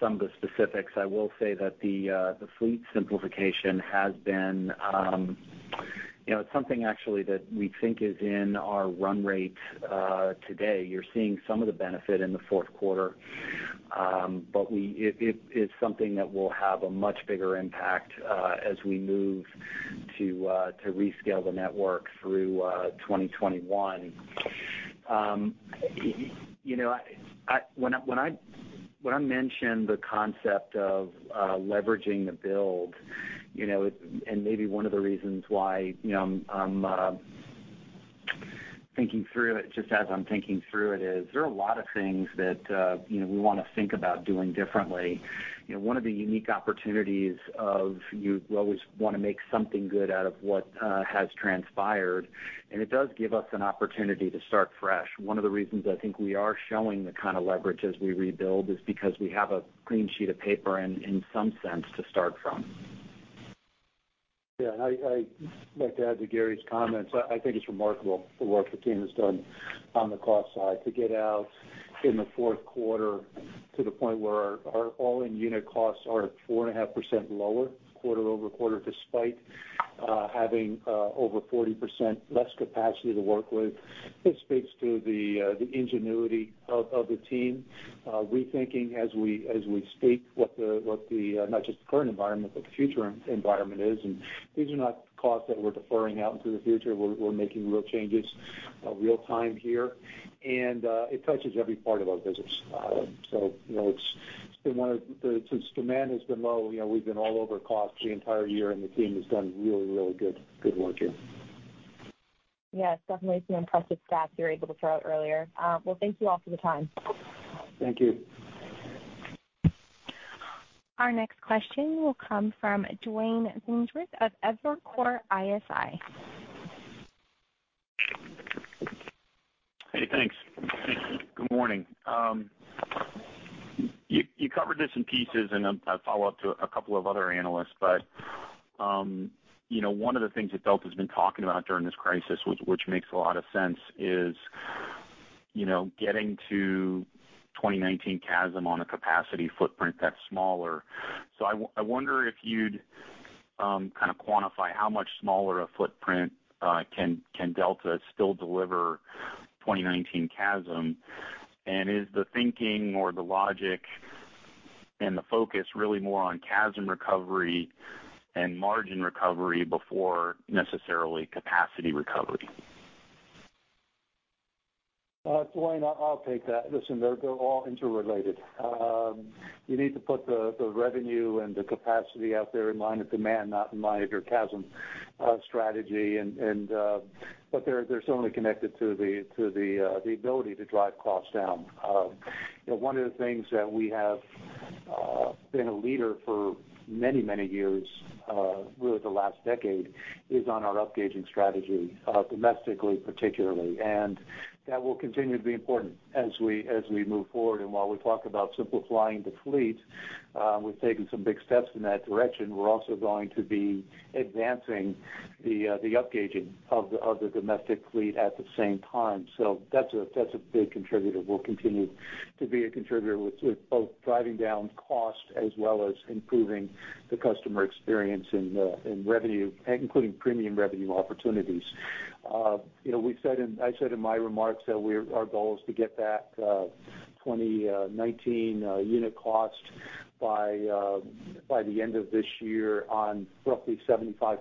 some of the specifics. I will say that the fleet simplification, it's something actually that we think is in our run rate today. You're seeing some of the benefit in the fourth quarter. it's something that will have a much bigger impact as we move to rescale the network through 2021. When I mention the concept of leveraging the build, and maybe one of the reasons why, just as I'm thinking through it, is there are a lot of things that we want to think about doing differently. One of the unique opportunities of you always want to make something good out of what has transpired, and it does give us an opportunity to start fresh. One of the reasons I think we are showing the kind of leverage as we rebuild is because we have a clean sheet of paper in some sense to start from. I'd like to add to Gary's comments. I think it's remarkable the work the team has done on the cost side to get out in the fourth quarter to the point where our all-in unit costs are 4.5% lower quarter-over-quarter, despite having over 40% less capacity to work with. It speaks to the ingenuity of the team, rethinking as we speak what the, not just the current environment, but the future environment is. These are not costs that we're deferring out into the future. We're making real changes, real time here, and it touches every part of our business. Since demand has been low, we've been all over costs the entire year, and the team has done really, really good work here. Yes, definitely some impressive stats you were able to throw out earlier. Well, thank you all for the time. Thank you. Our next question will come from Duane Pfennigwerth of Evercore ISI. Hey, thanks. Good morning. You covered this in pieces, and a follow-up to a couple of other analysts, but one of the things that Delta's been talking about during this crisis, which makes a lot of sense, is getting to 2019 CASM on a capacity footprint that's smaller. I wonder if you'd kind of quantify how much smaller a footprint can Delta still deliver 2019 CASM? Is the thinking or the logic and the focus really more on CASM recovery and margin recovery before necessarily capacity recovery? Duane, I'll take that. Listen, they're all interrelated. You need to put the revenue and the capacity out there in mind of demand, not in mind of your CASM strategy. They're certainly connected to the ability to drive costs down. One of the things that we have been a leader for many, many years, really the last decade, is on our up gauging strategy, domestically particularly. That will continue to be important as we move forward. While we talk about simplifying the fleet, we've taken some big steps in that direction. We're also going to be advancing the up gauging of the domestic fleet at the same time. That's a big contributor. Will continue to be a contributor with both driving down cost as well as improving the customer experience in revenue, including premium revenue opportunities. I said in my remarks that our goal is to get that 2019 unit cost by the end of this year on roughly 75%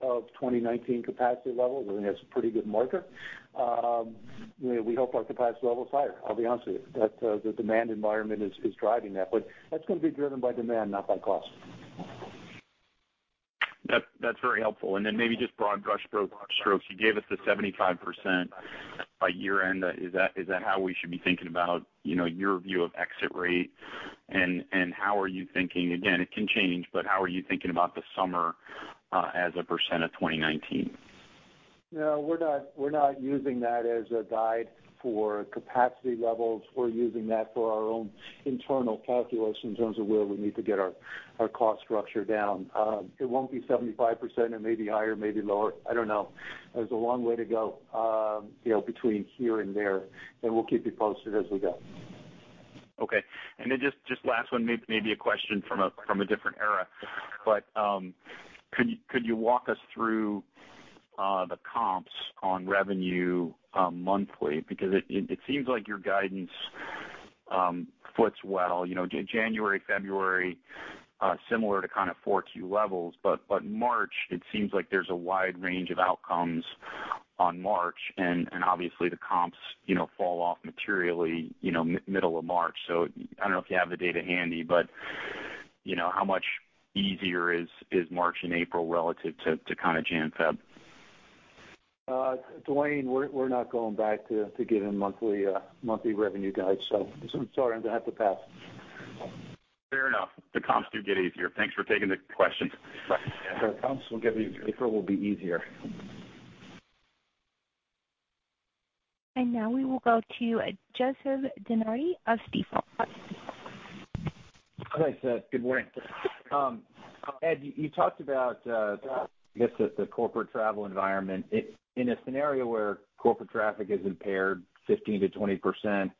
of 2019 capacity levels. I think that's a pretty good marker. We hope our capacity level is higher. I'll be honest with you. The demand environment is driving that. That's going to be driven by demand, not by cost. That's very helpful. Maybe just broad brush strokes. You gave us the 75% by year-end. Is that how we should be thinking about your view of exit rate? How are you thinking, again, it can change, but how are you thinking about the summer as a percentage of 2019? No, we're not using that as a guide for capacity levels. We're using that for our own internal calculations in terms of where we need to get our cost structure down. It won't be 75%. It may be higher, it may be lower. I don't know. There's a long way to go between here and there, and we'll keep you posted as we go. Okay. Just last one, maybe a question from a different era, but could you walk us through the comps on revenue monthly? It seems like your guidance foots well. January, February, similar to kind of 4Q levels. March, it seems like there's a wide range of outcomes on March, and obviously the comps fall off materially middle of March. I don't know if you have the data handy, but how much easier is March and April relative to kind of Jan, Feb? Duane, we're not going back to giving monthly revenue guides, so I'm sorry, I'm going to have to pass. Fair enough. The comps do get easier. Thanks for taking the question. Right. Yeah. The comps will get easier, April will be easier. Now we will go to Joseph DeNardi of Stifel. Hi, Seth. Good morning. Ed, you talked about, I guess, the corporate travel environment. In a scenario where corporate traffic is impaired 15%-20%,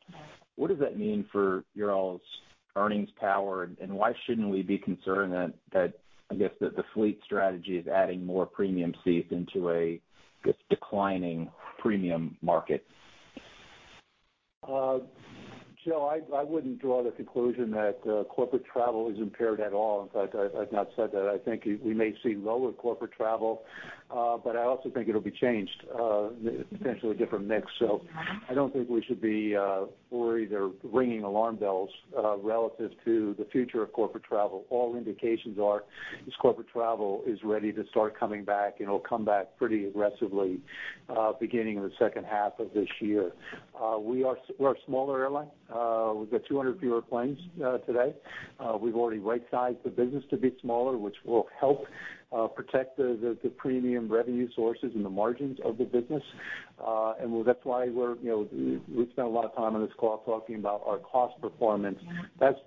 what does that mean for your all's earnings power, and why shouldn't we be concerned that, I guess, that the fleet strategy is adding more premium seats into a, I guess, declining premium market? Joe, I wouldn't draw the conclusion that corporate travel is impaired at all. I've not said that. I think we may see lower corporate travel. I also think it'll be changed, potentially a different mix. I don't think we should be worried or ringing alarm bells relative to the future of corporate travel. All indications are is corporate travel is ready to start coming back. It'll come back pretty aggressively beginning in the second half of this year. We're a smaller airline. We've got 200 fewer planes today. We've already right-sized the business to be smaller, which will help protect the premium revenue sources and the margins of the business. That's why we've spent a lot of time on this call talking about our cost performance. That's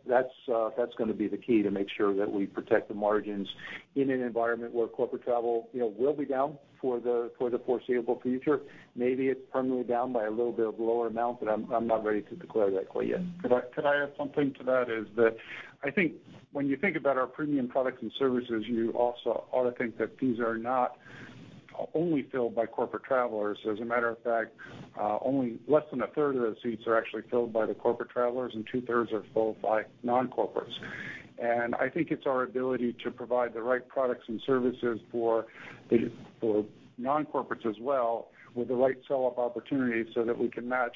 going to be the key to make sure that we protect the margins in an environment where corporate travel will be down for the foreseeable future. Maybe it's permanently down by a little bit of a lower amount, but I'm not ready to declare that quite yet. Could I add something to that, is that I think when you think about our premium products and services, you also ought to think that these are not only filled by corporate travellers. As a matter of fact, only less than a third of the seats are actually filled by the corporate travellers, and two-thirds are filled by non-corporate. I think it's our ability to provide the right products and services for non-corporate as well, with the right sell-up opportunities so that we can match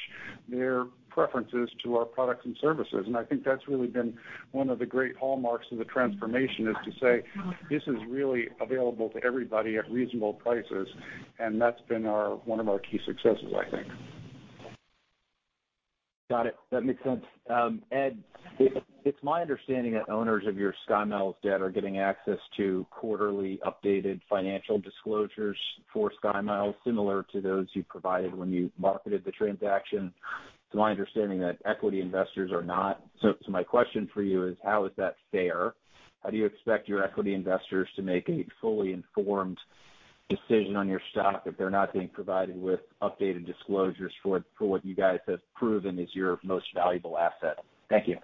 their preferences to our products and services. I think that's really been one of the great hallmarks of the transformation, is to say, this is really available to everybody at reasonable prices, and that's been one of our key successes, I think. Got it. That makes sense. Ed, it's my understanding that owners of your SkyMiles debt are getting access to quarterly updated financial disclosures for SkyMiles, similar to those you provided when you marketed the transaction. It's my understanding that equity investors are not. My question for you is, how is that fair? How do you expect your equity investors to make a fully informed decision on your stock if they're not being provided with updated disclosures for what you guys have proven is your most valuable asset? Thank you.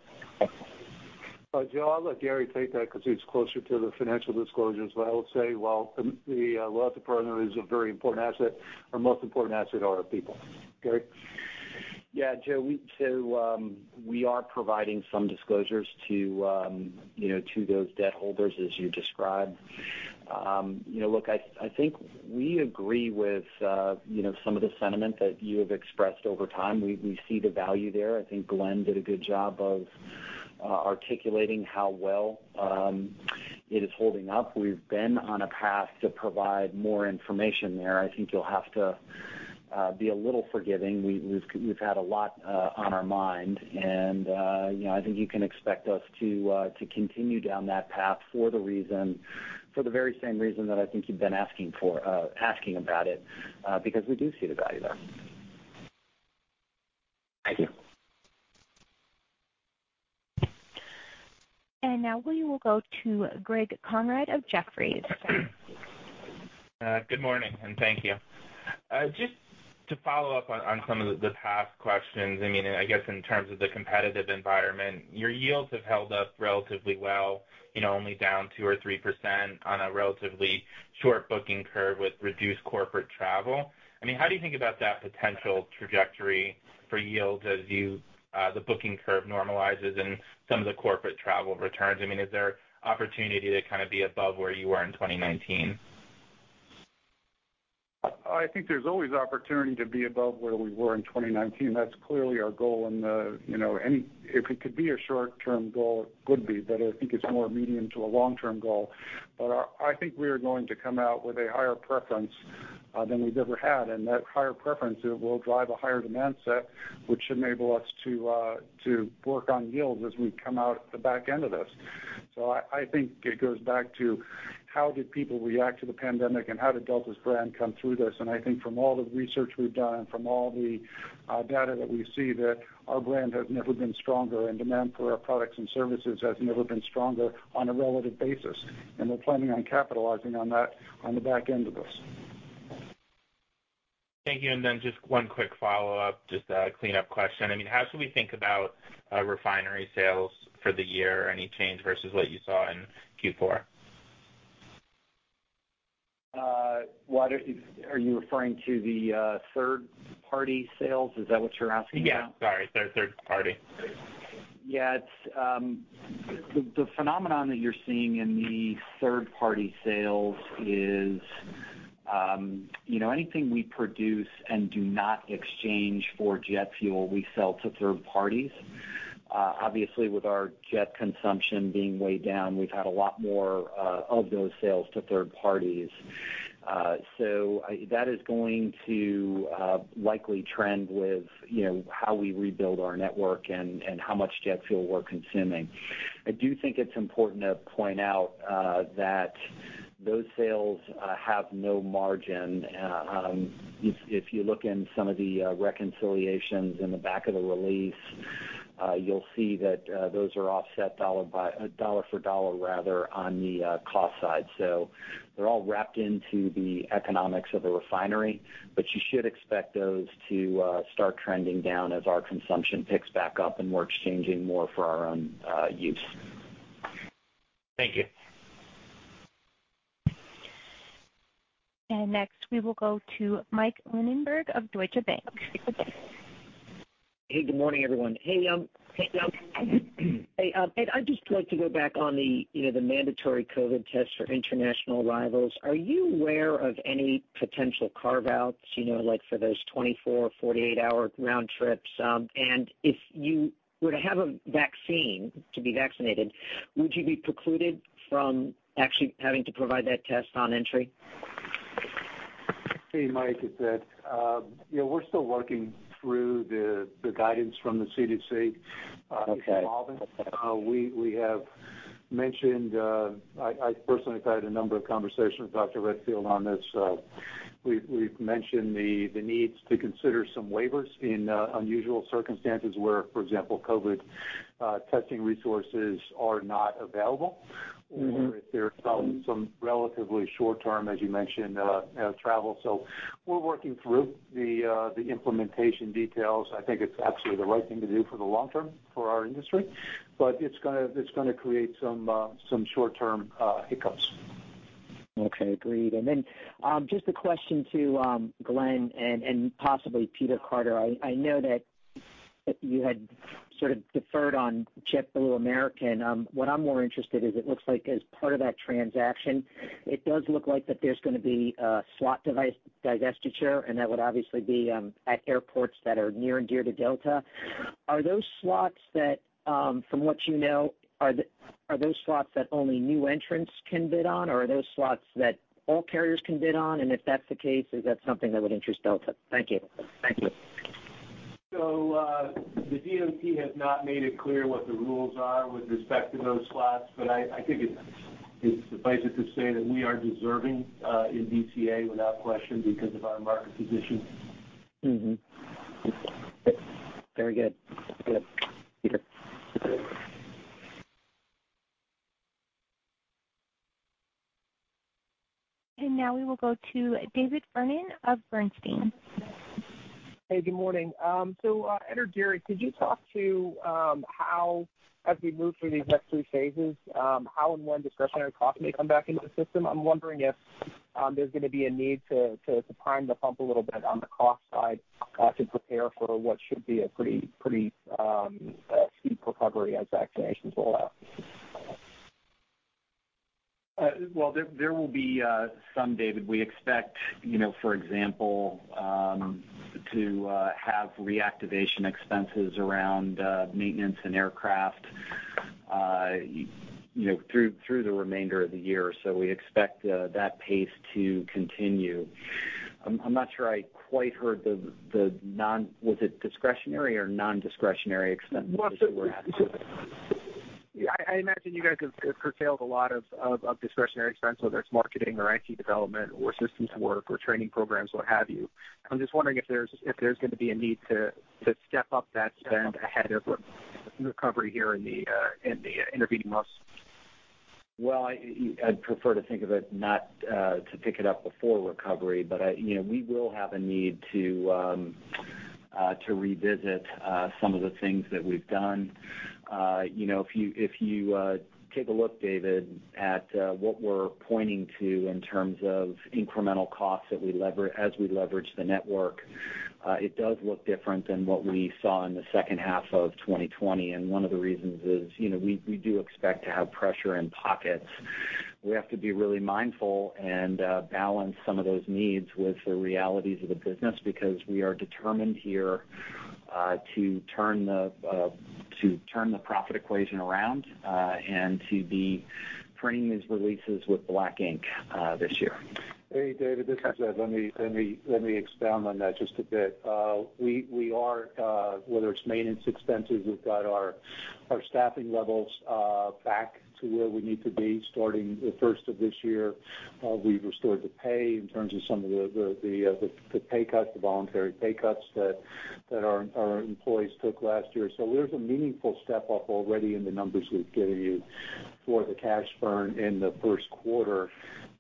Joe, I'll let Gary take that because he's closer to the financial disclosures. I will say, while the loyalty program is a very important asset, our most important asset are our people. Gary? Yeah, Joe, we are providing some disclosures to those debt holders as you described. Look, I think we agree with some of the sentiment that you have expressed over time. We see the value there. I think Glen did a good job of articulating how well it is holding up. We've been on a path to provide more information there. I think you'll have to be a little forgiving. We've had a lot on our mind. I think you can expect us to continue down that path for the very same reason that I think you've been asking about it, because we do see the value there. Thank you. Now we will go to Greg Konrad of Jefferies. Good morning, and thank you. Just to follow up on some of the past questions. I guess in terms of the competitive environment, your yields have held up relatively well, only down 2% or 3% on a relatively short booking curve with reduced corporate travel. How do you think about that potential trajectory for yields as the booking curve normalizes and some of the corporate travel returns? Is there opportunity to kind of be above where you were in 2019? I think there's always opportunity to be above where we were in 2019. That's clearly our goal, and if it could be a short-term goal, it could be. I think it's more a medium to a long-term goal. I think we are going to come out with a higher preference than we've ever had, and that higher preference will drive a higher demand set, which should enable us to work on yields as we come out the back end of this. I think it goes back to how did people react to the pandemic and how did Delta's brand come through this? I think from all the research we've done, from all the data that we see, that our brand has never been stronger, and demand for our products and services has never been stronger on a relative basis. We're planning on capitalizing on that on the back end of this. Thank you. Just one quick follow-up, just a cleanup question. How should we think about refinery sales for the year? Any change versus what you saw in Q4? Are you referring to the third-party sales? Is that what you're asking about? Yeah. Sorry, third party. Yeah. The phenomenon that you're seeing in the third-party sales is anything we produce and do not exchange for jet fuel, we sell to third parties. Obviously, with our jet consumption being way down, we've had a lot more of those sales to third parties. That is going to likely trend with how we rebuild our network and how much jet fuel we're consuming. I do think it's important to point out that those sales have no margin. If you look in some of the reconciliations in the back of the release, you'll see that those are offset dollar for dollar on the cost side. They're all wrapped into the economics of the refinery. You should expect those to start trending down as our consumption picks back up and we're exchanging more for our own use. Thank you. Next, we will go to Michael Linenberg of Deutsche Bank. Hey, good morning, everyone. Hey, Ed, I'd just like to go back on the mandatory COVID test for international arrivals. Are you aware of any potential carve-outs, like for those 24, 48-hour round trips? If you were to have a vaccine to be vaccinated, would you be precluded from actually having to provide that test on entry? Hey, Mike, it's Ed. We're still working through the guidance from the CDC. Okay. It's evolving. I personally have had a number of conversations with Robert Redfield on this. We've mentioned the needs to consider some waivers in unusual circumstances where, for example, COVID testing resources are not available, or if there are some relatively short-term, as you mentioned, travel. We're working through the implementation details. I think it's absolutely the right thing to do for the long term for our industry, but it's going to create some short-term hiccups. Okay, agreed. Just a question to Glen and possibly Peter Carter. I know that you had sort of deferred on JetBlue American. What I'm more interested is it looks like as part of that transaction, it does look like that there's going to be a slot divestiture, and that would obviously be at airports that are near and dear to Delta. Are those slots that, from what you know, are those slots that only new entrants can bid on, or are those slots that all carriers can bid on? If that's the case, is that something that would interest Delta? Thank you. The DOT has not made it clear what the rules are with respect to those slots, but I think it's suffice it to say that we are deserving in DCA without question because of our market position. Mm-hmm. Very good. See you. Now we will go to David Vernon of Bernstein. Hey, good morning. Ed or Gary, could you talk to how, as we move through these next three phases, how and when discretionary costs may come back into the system? I'm wondering if there's going to be a need to prime the pump a little bit on the cost side to prepare for what should be a pretty steep recovery as vaccinations roll out. Well, there will be some, David. We expect, for example, to have reactivation expenses around maintenance and aircraft through the remainder of the year. We expect that pace to continue. I'm not sure I quite heard the, was it discretionary or non-discretionary expenses that you were asking about? I imagine you guys have curtailed a lot of discretionary expense, whether it's marketing or IT development or systems work or training programs, what have you. I'm just wondering if there's going to be a need to step up that spend ahead of recovery here in the intervening months. Well, I'd prefer to think of it not to pick it up before recovery, but we will have a need to revisit some of the things that we've done. If you take a look, David, at what we're pointing to in terms of incremental costs as we leverage the network, it does look different than what we saw in the second half of 2020. One of the reasons is we do expect to have pressure in pockets. We have to be really mindful and balance some of those needs with the realities of the business because we are determined here to turn the profit equation around and to be printing these releases with black ink this year. Hey, David, this is Ed. Let me expound on that just a bit. Whether it's maintenance expenses, we've got our staffing levels back to where we need to be starting the first of this year. We've restored the pay in terms of some of the voluntary pay cuts that our employees took last year. There's a meaningful step-up already in the numbers we've given you for the cash burn in the first quarter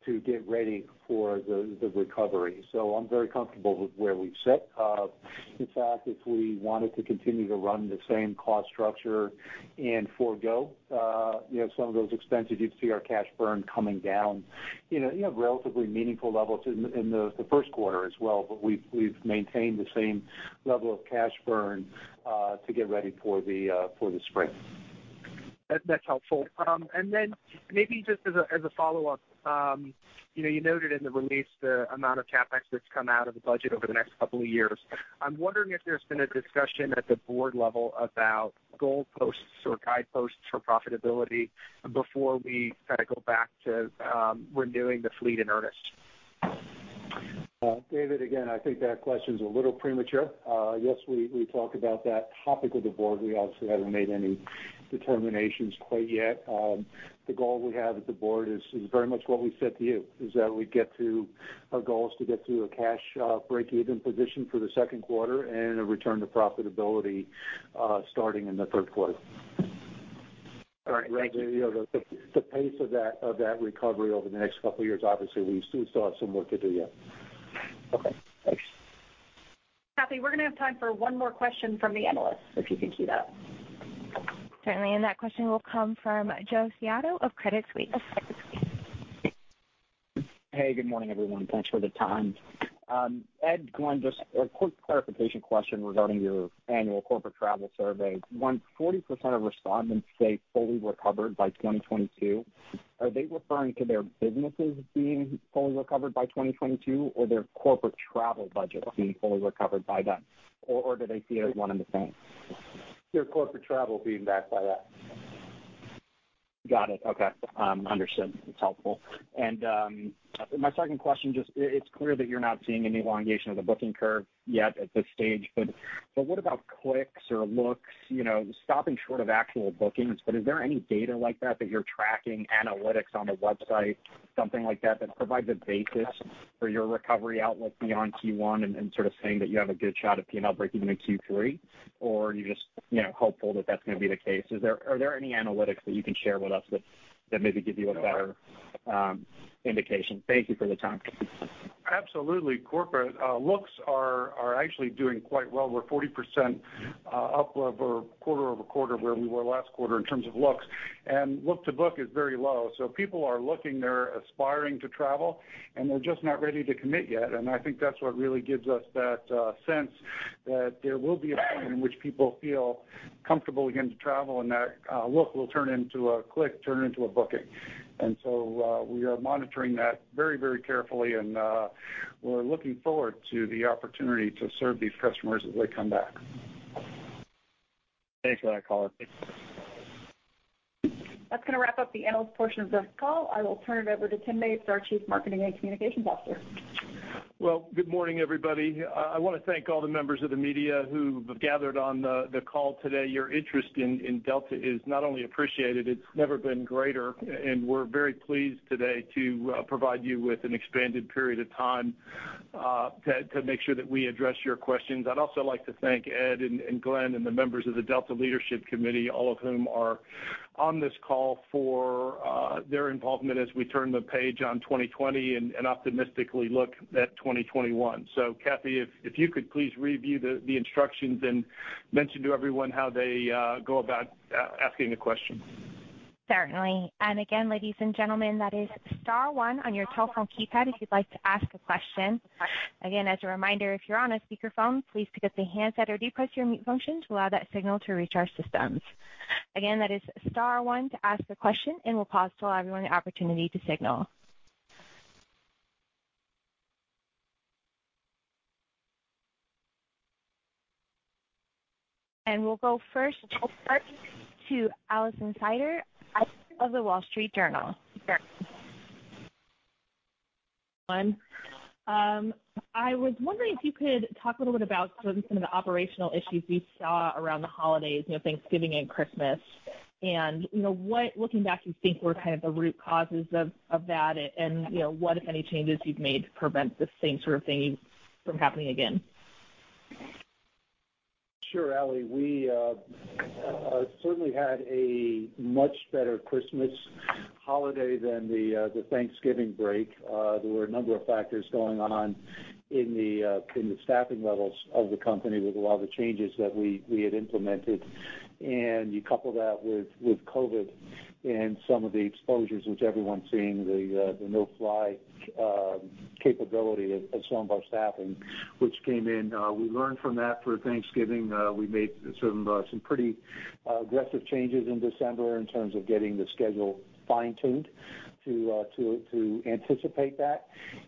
to get ready for the recovery. I'm very comfortable with where we sit. In fact, if we wanted to continue to run the same cost structure and forego some of those expenses, you'd see our cash burn coming down. You have relatively meaningful levels in the first quarter as well, but we've maintained the same level of cash burn to get ready for the spring. That's helpful. Then maybe just as a follow-up. You noted in the release the amount of CapEx that's come out of the budget over the next couple of years. I'm wondering if there's been a discussion at the board level about goalposts or guideposts for profitability before we kind of go back to renewing the fleet in earnest. David, again, I think that question is a little premature. Yes, we talk about that topic with the board. We obviously haven't made any determinations quite yet. The goal we have at the board is very much what we said to you, is that our goal is to get to a cash break-even position for the second quarter and a return to profitability starting in the third quarter. All right. Thank you. The pace of that recovery over the next couple of years, obviously, we still have some work to do yet. Okay, thanks. Cathy, we're going to have time for one more question from the analysts, if you can queue that up. Certainly, that question will come from Jose Caiado of Credit Suisse. Hey, good morning, everyone. Thanks for the time. Ed, Glen, just a quick clarification question regarding your annual corporate travel survey. When 40% of respondents say fully recovered by 2022, are they referring to their businesses being fully recovered by 2022, or their corporate travel budget being fully recovered by then? Do they see it as one and the same? Their corporate travel being back by then. Got it. Okay. Understood. That's helpful. My second question, it's clear that you're not seeing any elongation of the booking curve yet at this stage. What about clicks or looks, stopping short of actual bookings, but is there any data like that you're tracking, analytics on the website, something like that provides a basis for your recovery outlook beyond Q1 and sort of saying that you have a good shot at P&L break even in Q3? Are you just hopeful that that's going to be the case? Are there any analytics that you can share with us that maybe give you a better indication? Thank you for the time. Absolutely. Corporate looks are actually doing quite well. We're 40% up over quarter-over-quarter where we were last quarter in terms of looks. Look-to-book is very low. People are looking, they're aspiring to travel, and they're just not ready to commit yet. I think that's what really gives us that sense that there will be a point in which people feel comfortable again to travel and that look will turn into a click, turn into a booking. We are monitoring that very carefully, and we're looking forward to the opportunity to serve these customers as they come back. Thanks for that, Color. That's going to wrap up the analyst portion of this call. I will turn it over to Tim Mapes, our Chief Marketing and Communications Officer. Well, good morning, everybody. I want to thank all the members of the media who have gathered on the call today. Your interest in Delta is not only appreciated, it's never been greater, and we're very pleased today to provide you with an expanded period of time to make sure that we address your questions. I'd also like to thank Ed and Glen and the members of the Delta Leadership Committee, all of whom are on this call, for their involvement as we turn the page on 2020 and optimistically look at 2021. Cathy, if you could please review the instructions and mention to everyone how they go about asking a question. Certainly. Again, ladies and gentlemen, that is star one on your telephone keypad if you'd like to ask a question. Again, as a reminder, if you're on a speakerphone, please pick up the handset or depress your mute function to allow that signal to reach our systems. Again, that is star one to ask a question. We'll pause to allow everyone the opportunity to signal. We'll go first to Alison Sider of The Wall Street Journal. Hi. I was wondering if you could talk a little bit about some of the operational issues we saw around the holidays, Thanksgiving and Christmas. What, looking back, you think were kind of the root causes of that and what, if any, changes you've made to prevent the same sort of thing from happening again? Sure, Ally. We certainly had a much better Christmas holiday than the Thanksgiving break. There were a number of factors going on in the staffing levels of the company with a lot of the changes that we had implemented. You couple that with COVID and some of the exposures which everyone's seeing, the no-fly capability of some of our staffing which came in. We learned from that for Thanksgiving. We made some pretty aggressive changes in December in terms of getting the schedule fine-tuned to anticipate that.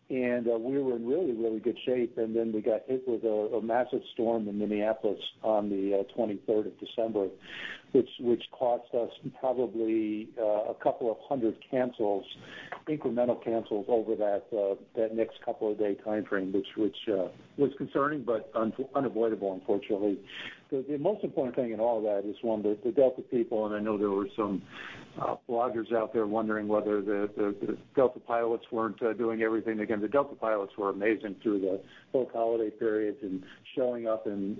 We were in really good shape, then we got hit with a massive storm in Minneapolis on the 23rd of December, which cost us probably a couple of hundred incremental cancels over that next couple of day time-frame, which was concerning, but unavoidable, unfortunately. The most important thing in all of that is, one, the Delta people, and I know there were some bloggers out there wondering whether the Delta pilots weren't doing everything they can. The Delta pilots were amazing through the whole holiday periods and showing up and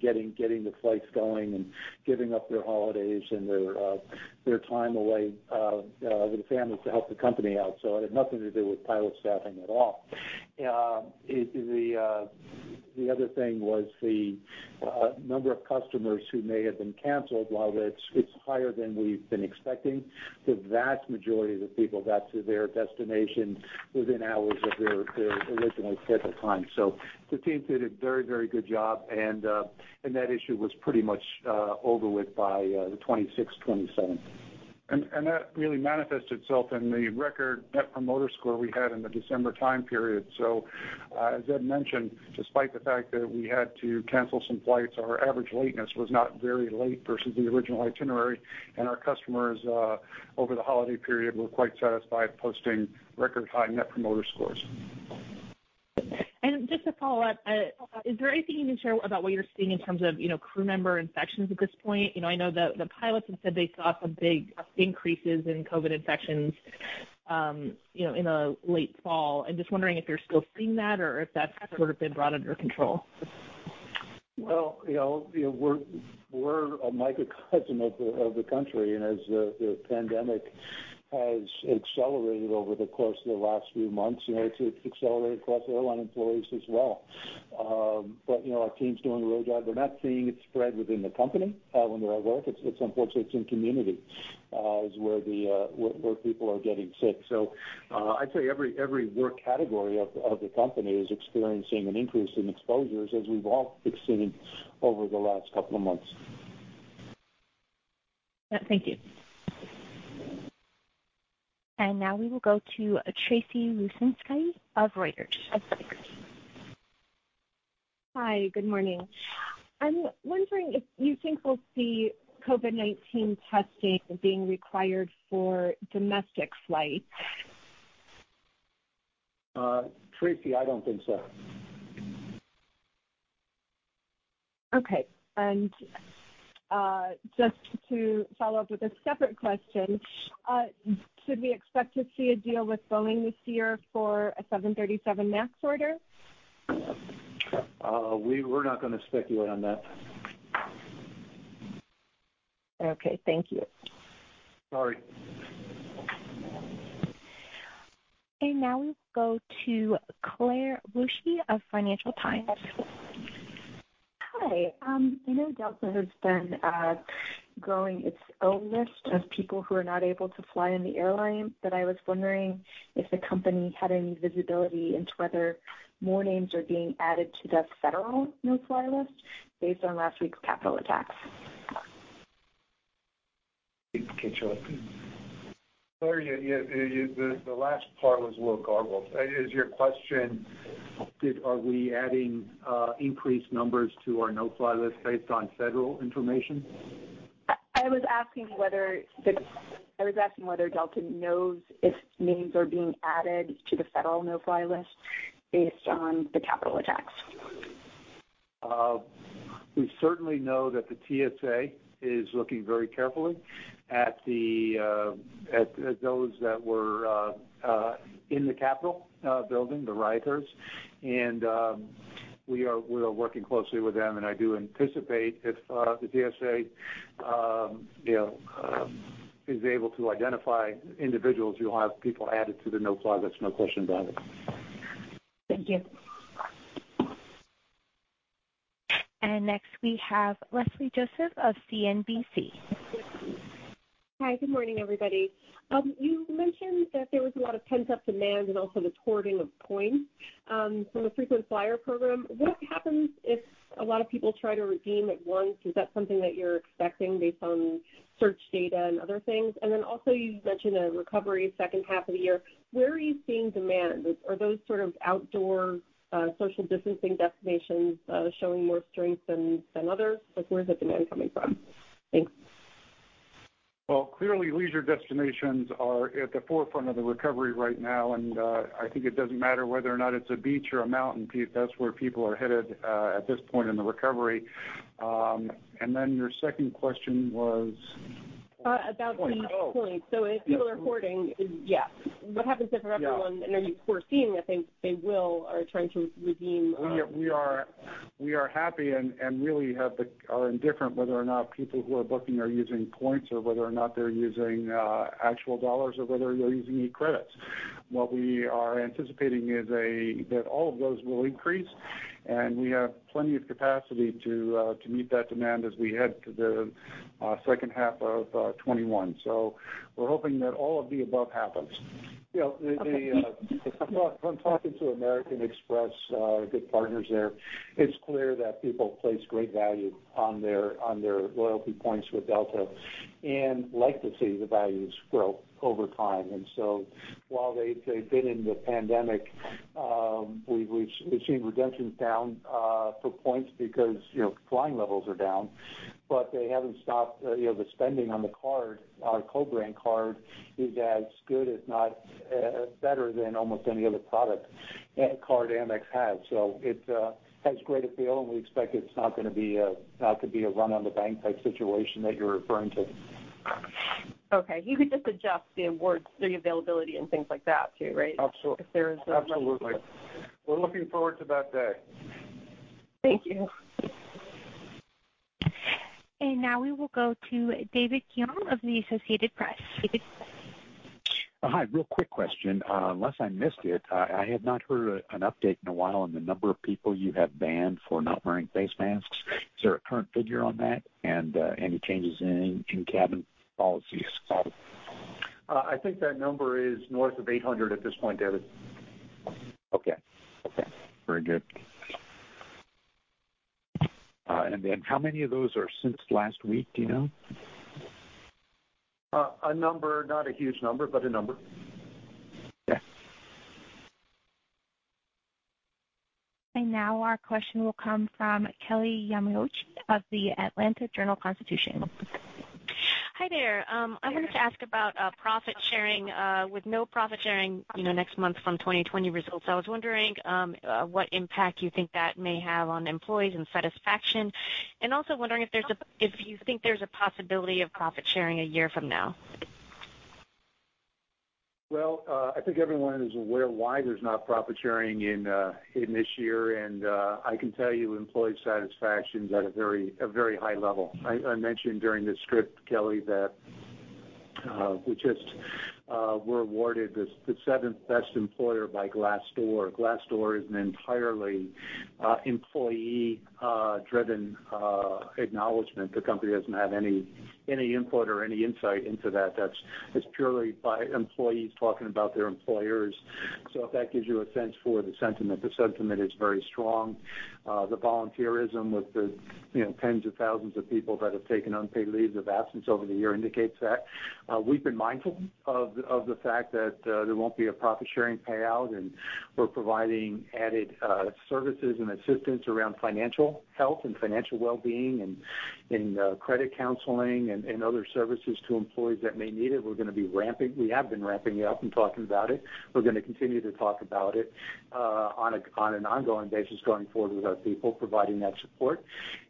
getting the flights going and giving up their holidays and their time away with the families to help the company out. It had nothing to do with pilot staffing at all. The other thing was the number of customers who may have been cancelled. While it's higher than we've been expecting, the vast majority of the people got to their destination within hours of their original scheduled time. The team did a very good job and that issue was pretty much over with by the 26th, 27th. That really manifests itself in the record Net Promoter Score we had in the December time period. As Ed mentioned, despite the fact that we had to cancel some flights, our average lateness was not very late versus the original itinerary. Our customers, over the holiday period, were quite satisfied, posting record high Net Promoter Scores. Just to follow up, is there anything you can share about what you are seeing in terms of crew member infections at this point? I know that the pilots had said they saw some big increases in COVID infections in late fall. I am just wondering if you are still seeing that or if that is sort of been brought under control. Well, we're a microcosm of the country, and as the pandemic has accelerated over the course of the last few months, it's accelerated across airline employees as well. Our team's doing a real job. We're not seeing it spread within the company when they're at work. Unfortunately, it's in community is where people are getting sick. I'd say every work category of the company is experiencing an increase in exposures as we've all seen over the last couple of months. Thank you. Now we will go to Tracy Rucinski of Reuters. Hi. Good morning. I'm wondering if you think we'll see COVID-19 testing being required for domestic flights? Tracy, I don't think so. Okay. Just to follow up with a separate question, should we expect to see a deal with Boeing this year for a 737 MAX order? We're not going to speculate on that. Okay. Thank you. Sorry. Now we go to Claire Bushey of Financial Times. Hi. I know Delta has been growing its own list of people who are not able to fly in the airline, but I was wondering if the company had any visibility into whether more names are being added to the federal no-fly list based on last week's Capitol attacks. Okay, Charlie. Claire, the last part was a little garbled. Is your question, are we adding increased numbers to our no-fly list based on federal information? I was asking whether Delta knows if names are being added to the federal no-fly list based on the Capitol attacks. We certainly know that the TSA is looking very carefully at those that were in the Capitol Building, the rioters, and we are working closely with them, and I do anticipate if the TSA is able to identify individuals, you'll have people added to the no-fly list, no question about it. Thank you. Next we have Leslie Josephs of CNBC. Hi. Good morning, everybody. You mentioned that there was a lot of pent-up demand and also the hoarding of points from the frequent flyer program. What happens if a lot of people try to redeem at once? Is that something that you're expecting based on search data and other things? Then also you mentioned a recovery second half of the year. Where are you seeing demand? Are those sort of outdoor, social distancing destinations showing more strength than others? Like, where is the demand coming from? Thanks. Well, clearly, leisure destinations are at the forefront of the recovery right now, and I think it doesn't matter whether or not it's a beach or a mountain peak. That's where people are headed at this point in the recovery. Your second question was? About the points. Oh. If people are hoarding, yeah. What happens if everyone? Yeah. Are you foreseeing if they will, are trying to redeem? We are happy and really are indifferent whether or not people who are booking are using points or whether or not they're using actual dollars or whether they're using eCredits. What we are anticipating is that all of those will increase, and we have plenty of capacity to meet that demand as we head to the second half of 2021. We're hoping that all of the above happens. From talking to American Express, good partners there, it's clear that people place great value on their loyalty points with Delta and like to see the values grow over time. While they've been in the pandemic, we've seen redemptions down for points because flying levels are down. They haven't stopped the spending on the card. Our co-brand card is as good, if not better, than almost any other product card Amex has. It has great appeal, and we expect it's not going to be a run-on-the-bank type situation that you're referring to. Okay. You could just adjust the awards, the availability and things like that, too, right? Absolutely. If there is- Absolutely. We're looking forward to that day. Thank you. Now we will go to David Koenig of the Associated Press. David. Hi, real quick question. Unless I missed it, I had not heard an update in a while on the number of people you have banned for not wearing face masks. Is there a current figure on that and any changes in cabin policies? I think that number is north of 800 at this point, David. Okay. Very good. How many of those are since last week? Do you know? A number, not a huge number, but a number. Okay. Now our question will come from Kelly Yamanouchi of The Atlanta Journal-Constitution. Hi there. I wanted to ask about profit sharing. With no profit sharing next month from 2020 results, I was wondering what impact you think that may have on employees and satisfaction, and also wondering if you think there's a possibility of profit sharing a year from now. I think everyone is aware why there's not profit sharing in this year. I can tell you employee satisfaction is at a very high level. I mentioned during the script, Kelly, that we just were awarded the seventh-best employer by Glassdoor. Glassdoor is an entirely employee-driven acknowledgement. The company doesn't have any input or any insight into that. That's purely by employees talking about their employers. If that gives you a sense for the sentiment. The sentiment is very strong. The volunteerism with the tens of thousands of people that have taken unpaid leaves of absence over the year indicates that. We've been mindful of the fact that there won't be a profit-sharing payout, and we're providing added services and assistance around financial health and financial well-being and credit counseling and other services to employees that may need it. We have been ramping up and talking about it. We're going to continue to talk about it on an ongoing basis going forward with our people, providing that support.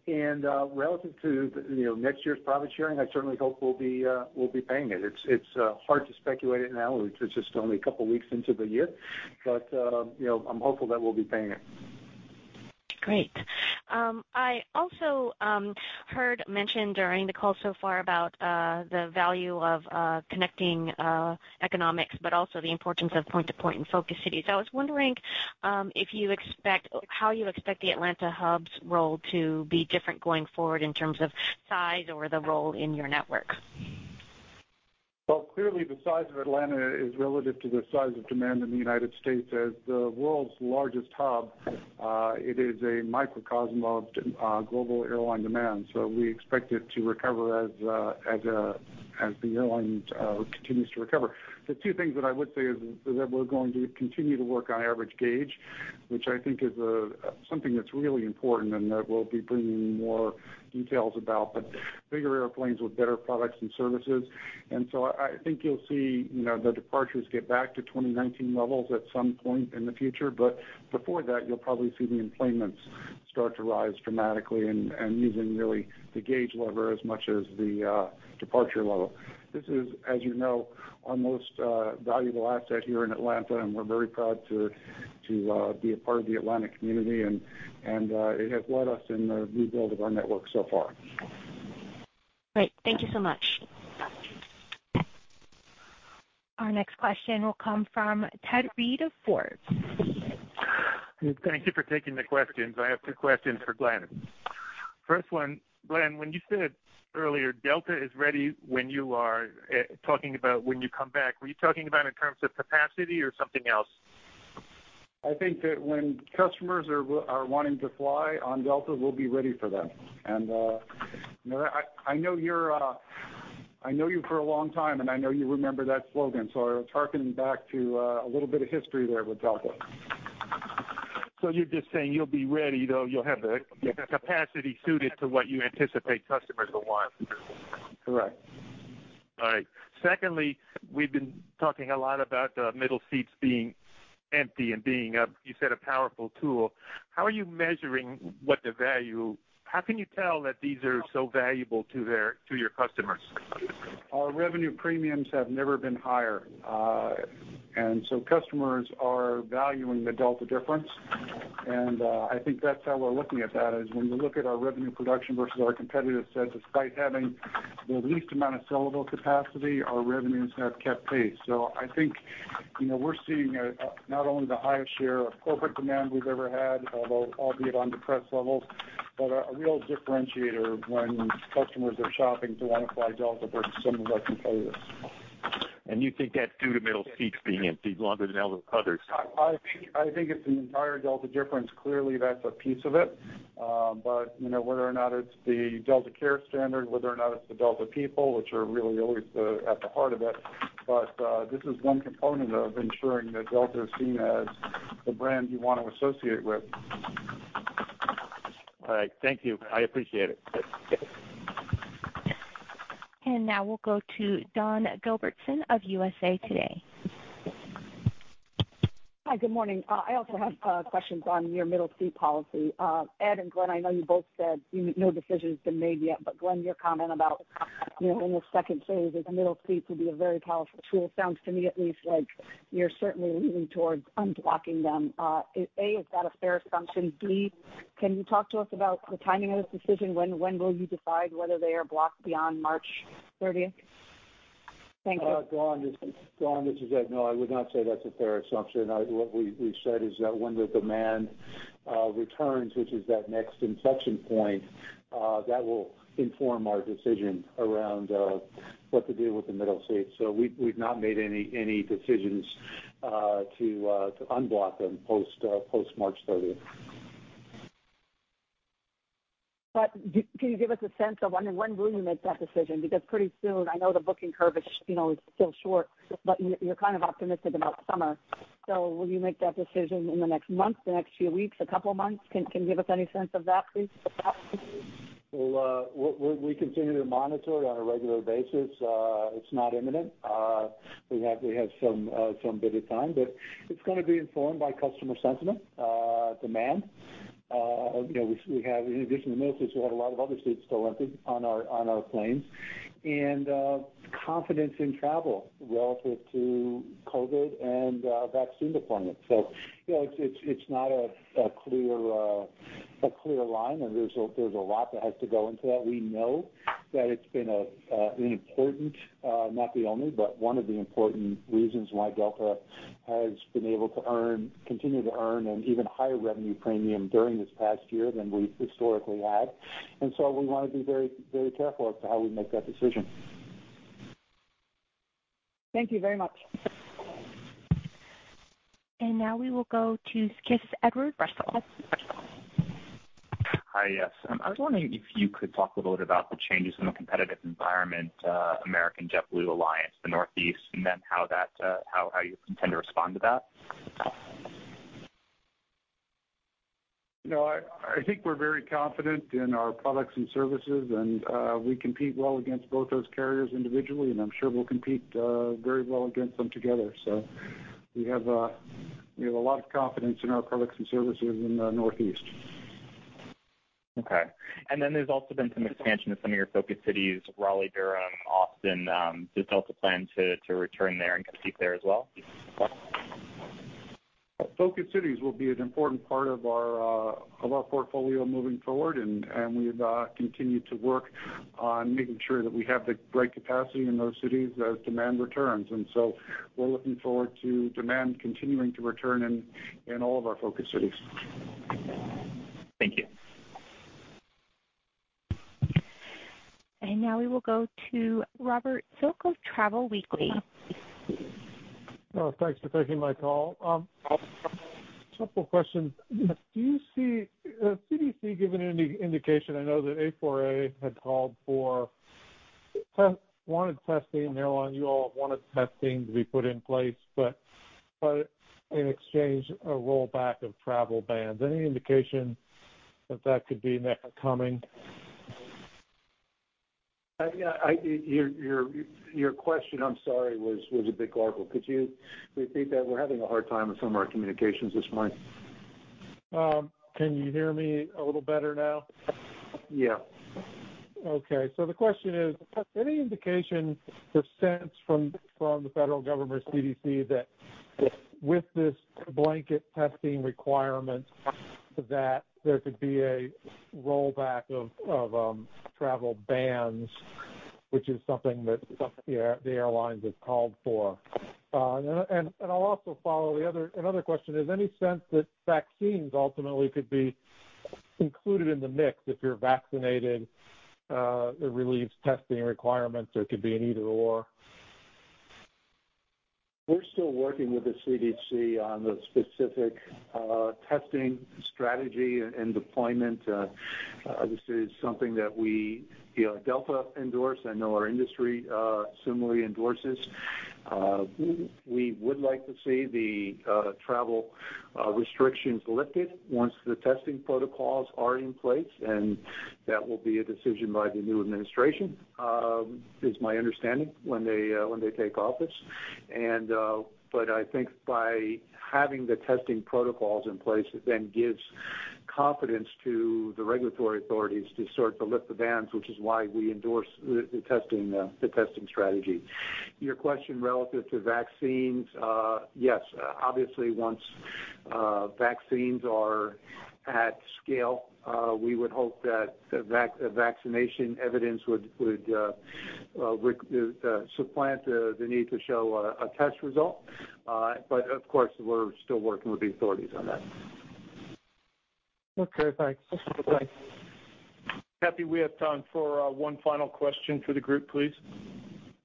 Relative to next year's profit sharing, I certainly hope we'll be paying it. It's hard to speculate it now. It's just only a couple of weeks into the year, but I'm hopeful that we'll be paying it. Great. I also heard mentioned during the call so far about the value of connecting economics, but also the importance of point to point in focus cities. I was wondering how you expect the Atlanta hub's role to be different going forward in terms of size or the role in your network. Well, clearly the size of Atlanta is relative to the size of demand in the U.S. As the world's largest hub, it is a microcosm of global airline demand. We expect it to recover as the airline continues to recover. The two things that I would say is that we're going to continue to work on average gauge, which I think is something that's really important and that we'll be bringing more details about, but bigger airplanes with better products and services. I think you'll see the departures get back to 2019 levels at some point in the future. Before that, you'll probably see the emplacements start to rise dramatically and using really the gauge lever as much as the departure level. This is, as you know, our most valuable asset here in Atlanta, and we're very proud to be a part of the Atlanta community, and it has led us in the rebuild of our network so far. Great. Thank you so much. Our next question will come from Ted Reed of Forbes. Thank you for taking the questions. I have two questions for Glen. First one, Glen, when you said earlier Delta is ready when you are talking about when you come back, were you talking about in terms of capacity or something else? I think that when customers are wanting to fly on Delta, we'll be ready for them. I know you for a long time, and I know you remember that slogan. I was hankering back to a little bit of history there with Delta. You're just saying you'll be ready, though you'll have the capacity suited to what you anticipate customers will want. Correct. All right. We've been talking a lot about the middle seats being empty and being, you said, a powerful tool. How are you measuring? How can you tell that these are so valuable to your customers? Our revenue premiums have never been higher. Customers are valuing the Delta difference, and I think that's how we're looking at that, is when we look at our revenue production versus our competitive sets, despite having the least amount of sellable capacity, our revenues have kept pace. I think we're seeing not only the highest share of corporate demand we've ever had, albeit on depressed levels, but a real differentiator when customers are shopping to want to fly Delta versus some of our competitors. You think that's due to middle seats being empty longer than others? I think it's the entire Delta difference. Clearly, that's a piece of it. Whether or not it's the Delta Care Standard, whether or not it's the Delta people, which are really always at the heart of it, this is one component of ensuring that Delta is seen as the brand you want to associate with. All right. Thank you. I appreciate it. Now we'll go to Dawn Gilbertson of USA Today. Hi, good morning. I also have questions on your middle seat policy. Ed and Glen, I know you both said no decision has been made yet, but Glen, your comment about in the second phase, the middle seats will be a very powerful tool. It sounds to me at least like you're certainly leaning towards unblocking them. A, is that a fair assumption? B, can you talk to us about the timing of this decision? When will you decide whether they are blocked beyond March 30th? Thank you. Dawn, this is Ed. I would not say that's a fair assumption. What we've said is that when the demand returns, which is that next inflection point, that will inform our decision around what to do with the middle seat. We've not made any decisions to unblock them post March 30th. Can you give us a sense of when will you make that decision? Pretty soon, I know the booking curve is still short, but you're kind of optimistic about summer. Will you make that decision in the next month, the next few weeks, a couple of months? Can you give us any sense of that, please? We'll continue to monitor it on a regular basis. It's not imminent. We have some bit of time, but it's going to be informed by customer sentiment, demand. In addition to the middle seats, we have a lot of other seats still empty on our planes. Confidence in travel relative to COVID and vaccine deployment. It's not a clear line, and there's a lot that has to go into that. We know that it's been an important, not the only, but one of the important reasons why Delta has been able to continue to earn an even higher revenue premium during this past year than we historically had. We want to be very careful as to how we make that decision. Thank you very much. Now we will go to Edward Russell. Hi, yes. I was wondering if you could talk a little bit about the changes in the competitive environment, American-JetBlue alliance, the Northeast, then how you intend to respond to that. I think we're very confident in our products and services, and we compete well against both those carriers individually, and I'm sure we'll compete very well against them together. We have a lot of confidence in our products and services in the Northeast. Okay. There's also been some expansion of some of your focus cities, Raleigh-Durham, Austin. Does Delta plan to return there and compete there as well? Focus cities will be an important part of our portfolio moving forward. We've continued to work on making sure that we have the right capacity in those cities as demand returns. We're looking forward to demand continuing to return in all of our focus cities. Thank you. Now we will go to Robert Silk with Travel Weekly. Thanks for taking my call. A couple questions. Do you see the CDC giving any indication, I know that A4A had called for, wanted testing, airline, you all wanted testing to be put in place, but in exchange, a rollback of travel bans? Any indication that that could be coming? Your question, I'm sorry, was a bit garbled. Could you repeat that? We're having a hard time with some of our communications this morning. Can you hear me a little better now? Yeah. Okay. The question is, any indication or sense from the federal government or CDC that with this blanket testing requirement, that there could be a rollback of travel bans, which is something that the airlines have called for? I'll also follow, another question, is any sense that vaccines ultimately could be included in the mix? If you're vaccinated, it relieves testing requirements, or it could be an either/or. We're still working with the CDC on the specific testing strategy and deployment. This is something that we, Delta, endorse. I know our industry similarly endorses. We would like to see the travel restrictions lifted once the testing protocols are in place. That will be a decision by the new administration, is my understanding, when they take office. I think by having the testing protocols in place, it then gives confidence to the regulatory authorities to start to lift the bans, which is why we endorse the testing strategy. Your question relative to vaccines, yes. Obviously, once vaccines are at scale, we would hope that the vaccination evidence would supplant the need to show a test result. Of course, we're still working with the authorities on that. Okay, thanks. Kathy, we have time for one final question for the group, please.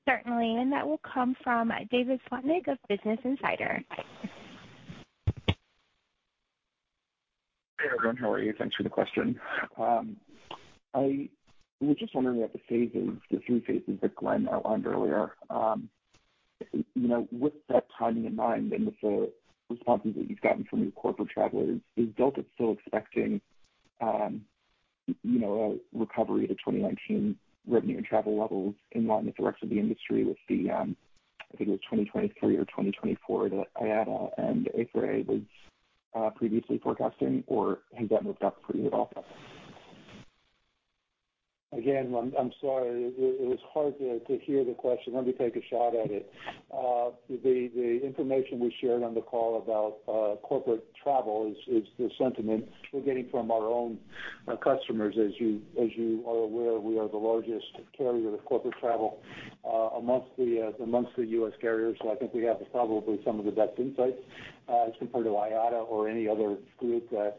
Certainly. That will come from David Slotnick of Business Insider. Hey, everyone. How are you? Thanks for the question. I was just wondering about the three phases that Glen outlined earlier. With that timing in mind and with the responses that you've gotten from your corporate travelers, is Delta still expecting a recovery to 2019 revenue and travel levels in line with the rest of the industry with the I think it was 2023 or 2024 that IATA and A4A was previously forecasting, or has that moved up for you at all? Again, I'm sorry. It was hard to hear the question. Let me take a shot at it. The information we shared on the call about corporate travel is the sentiment we're getting from our own customers. As you are aware, we are the largest carrier of corporate travel amongst the U.S. carriers. I think we have probably some of the best insights as compared to IATA or any other group that,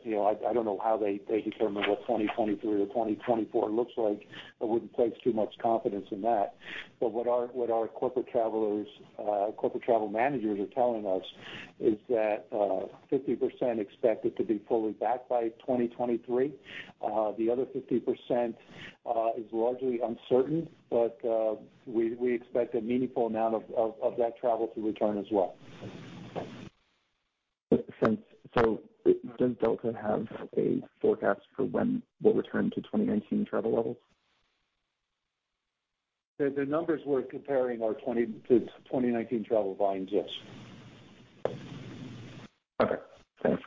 I don't know how they determine what 2023 or 2024 looks like. I wouldn't place too much confidence in that. What our corporate travel managers are telling us is that 50% expect it to be fully back by 2023. The other 50% is largely uncertain, but we expect a meaningful amount of that travel to return as well. Does Delta have a forecast for when we'll return to 2019 travel levels? The numbers we're comparing are to 2019 travel volumes, yes. Okay, thanks.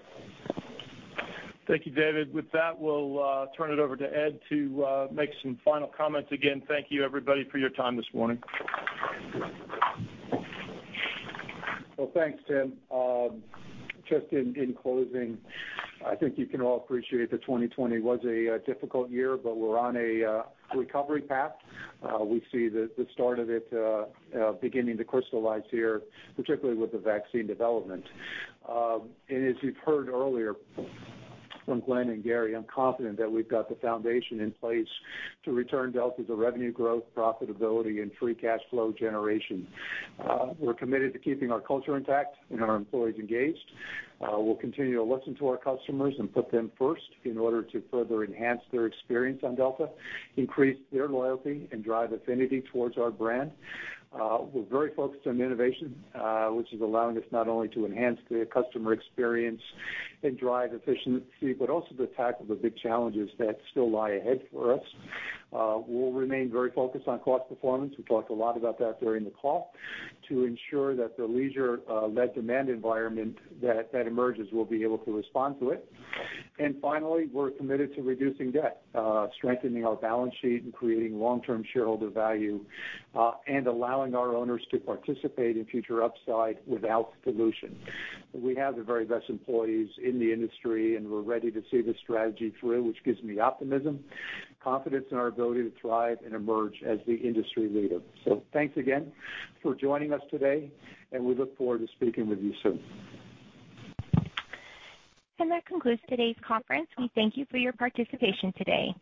Thank you, David. With that, we'll turn it over to Ed to make some final comments. Again, thank you everybody for your time this morning. Well, thanks, Tim. Just in closing, I think you can all appreciate that 2020 was a difficult year, but we're on a recovery path. We see the start of it beginning to crystallize here, particularly with the vaccine development. As you've heard earlier from Glen and Gary, I'm confident that we've got the foundation in place to return Delta to revenue growth, profitability, and free cash flow generation. We're committed to keeping our culture intact and our employees engaged. We'll continue to listen to our customers and put them first in order to further enhance their experience on Delta, increase their loyalty, and drive affinity towards our brand. We're very focused on innovation, which is allowing us not only to enhance the customer experience and drive efficiency, but also to tackle the big challenges that still lie ahead for us. We'll remain very focused on cost performance, we talked a lot about that during the call, to ensure that the leisure-led demand environment that emerges, we'll be able to respond to it. Finally, we're committed to reducing debt, strengthening our balance sheet, and creating long-term shareholder value, and allowing our owners to participate in future upside without dilution. We have the very best employees in the industry, and we're ready to see this strategy through, which gives me optimism, confidence in our ability to thrive and emerge as the industry leader. Thanks again for joining us today, and we look forward to speaking with you soon. That concludes today's conference. We thank you for your participation today.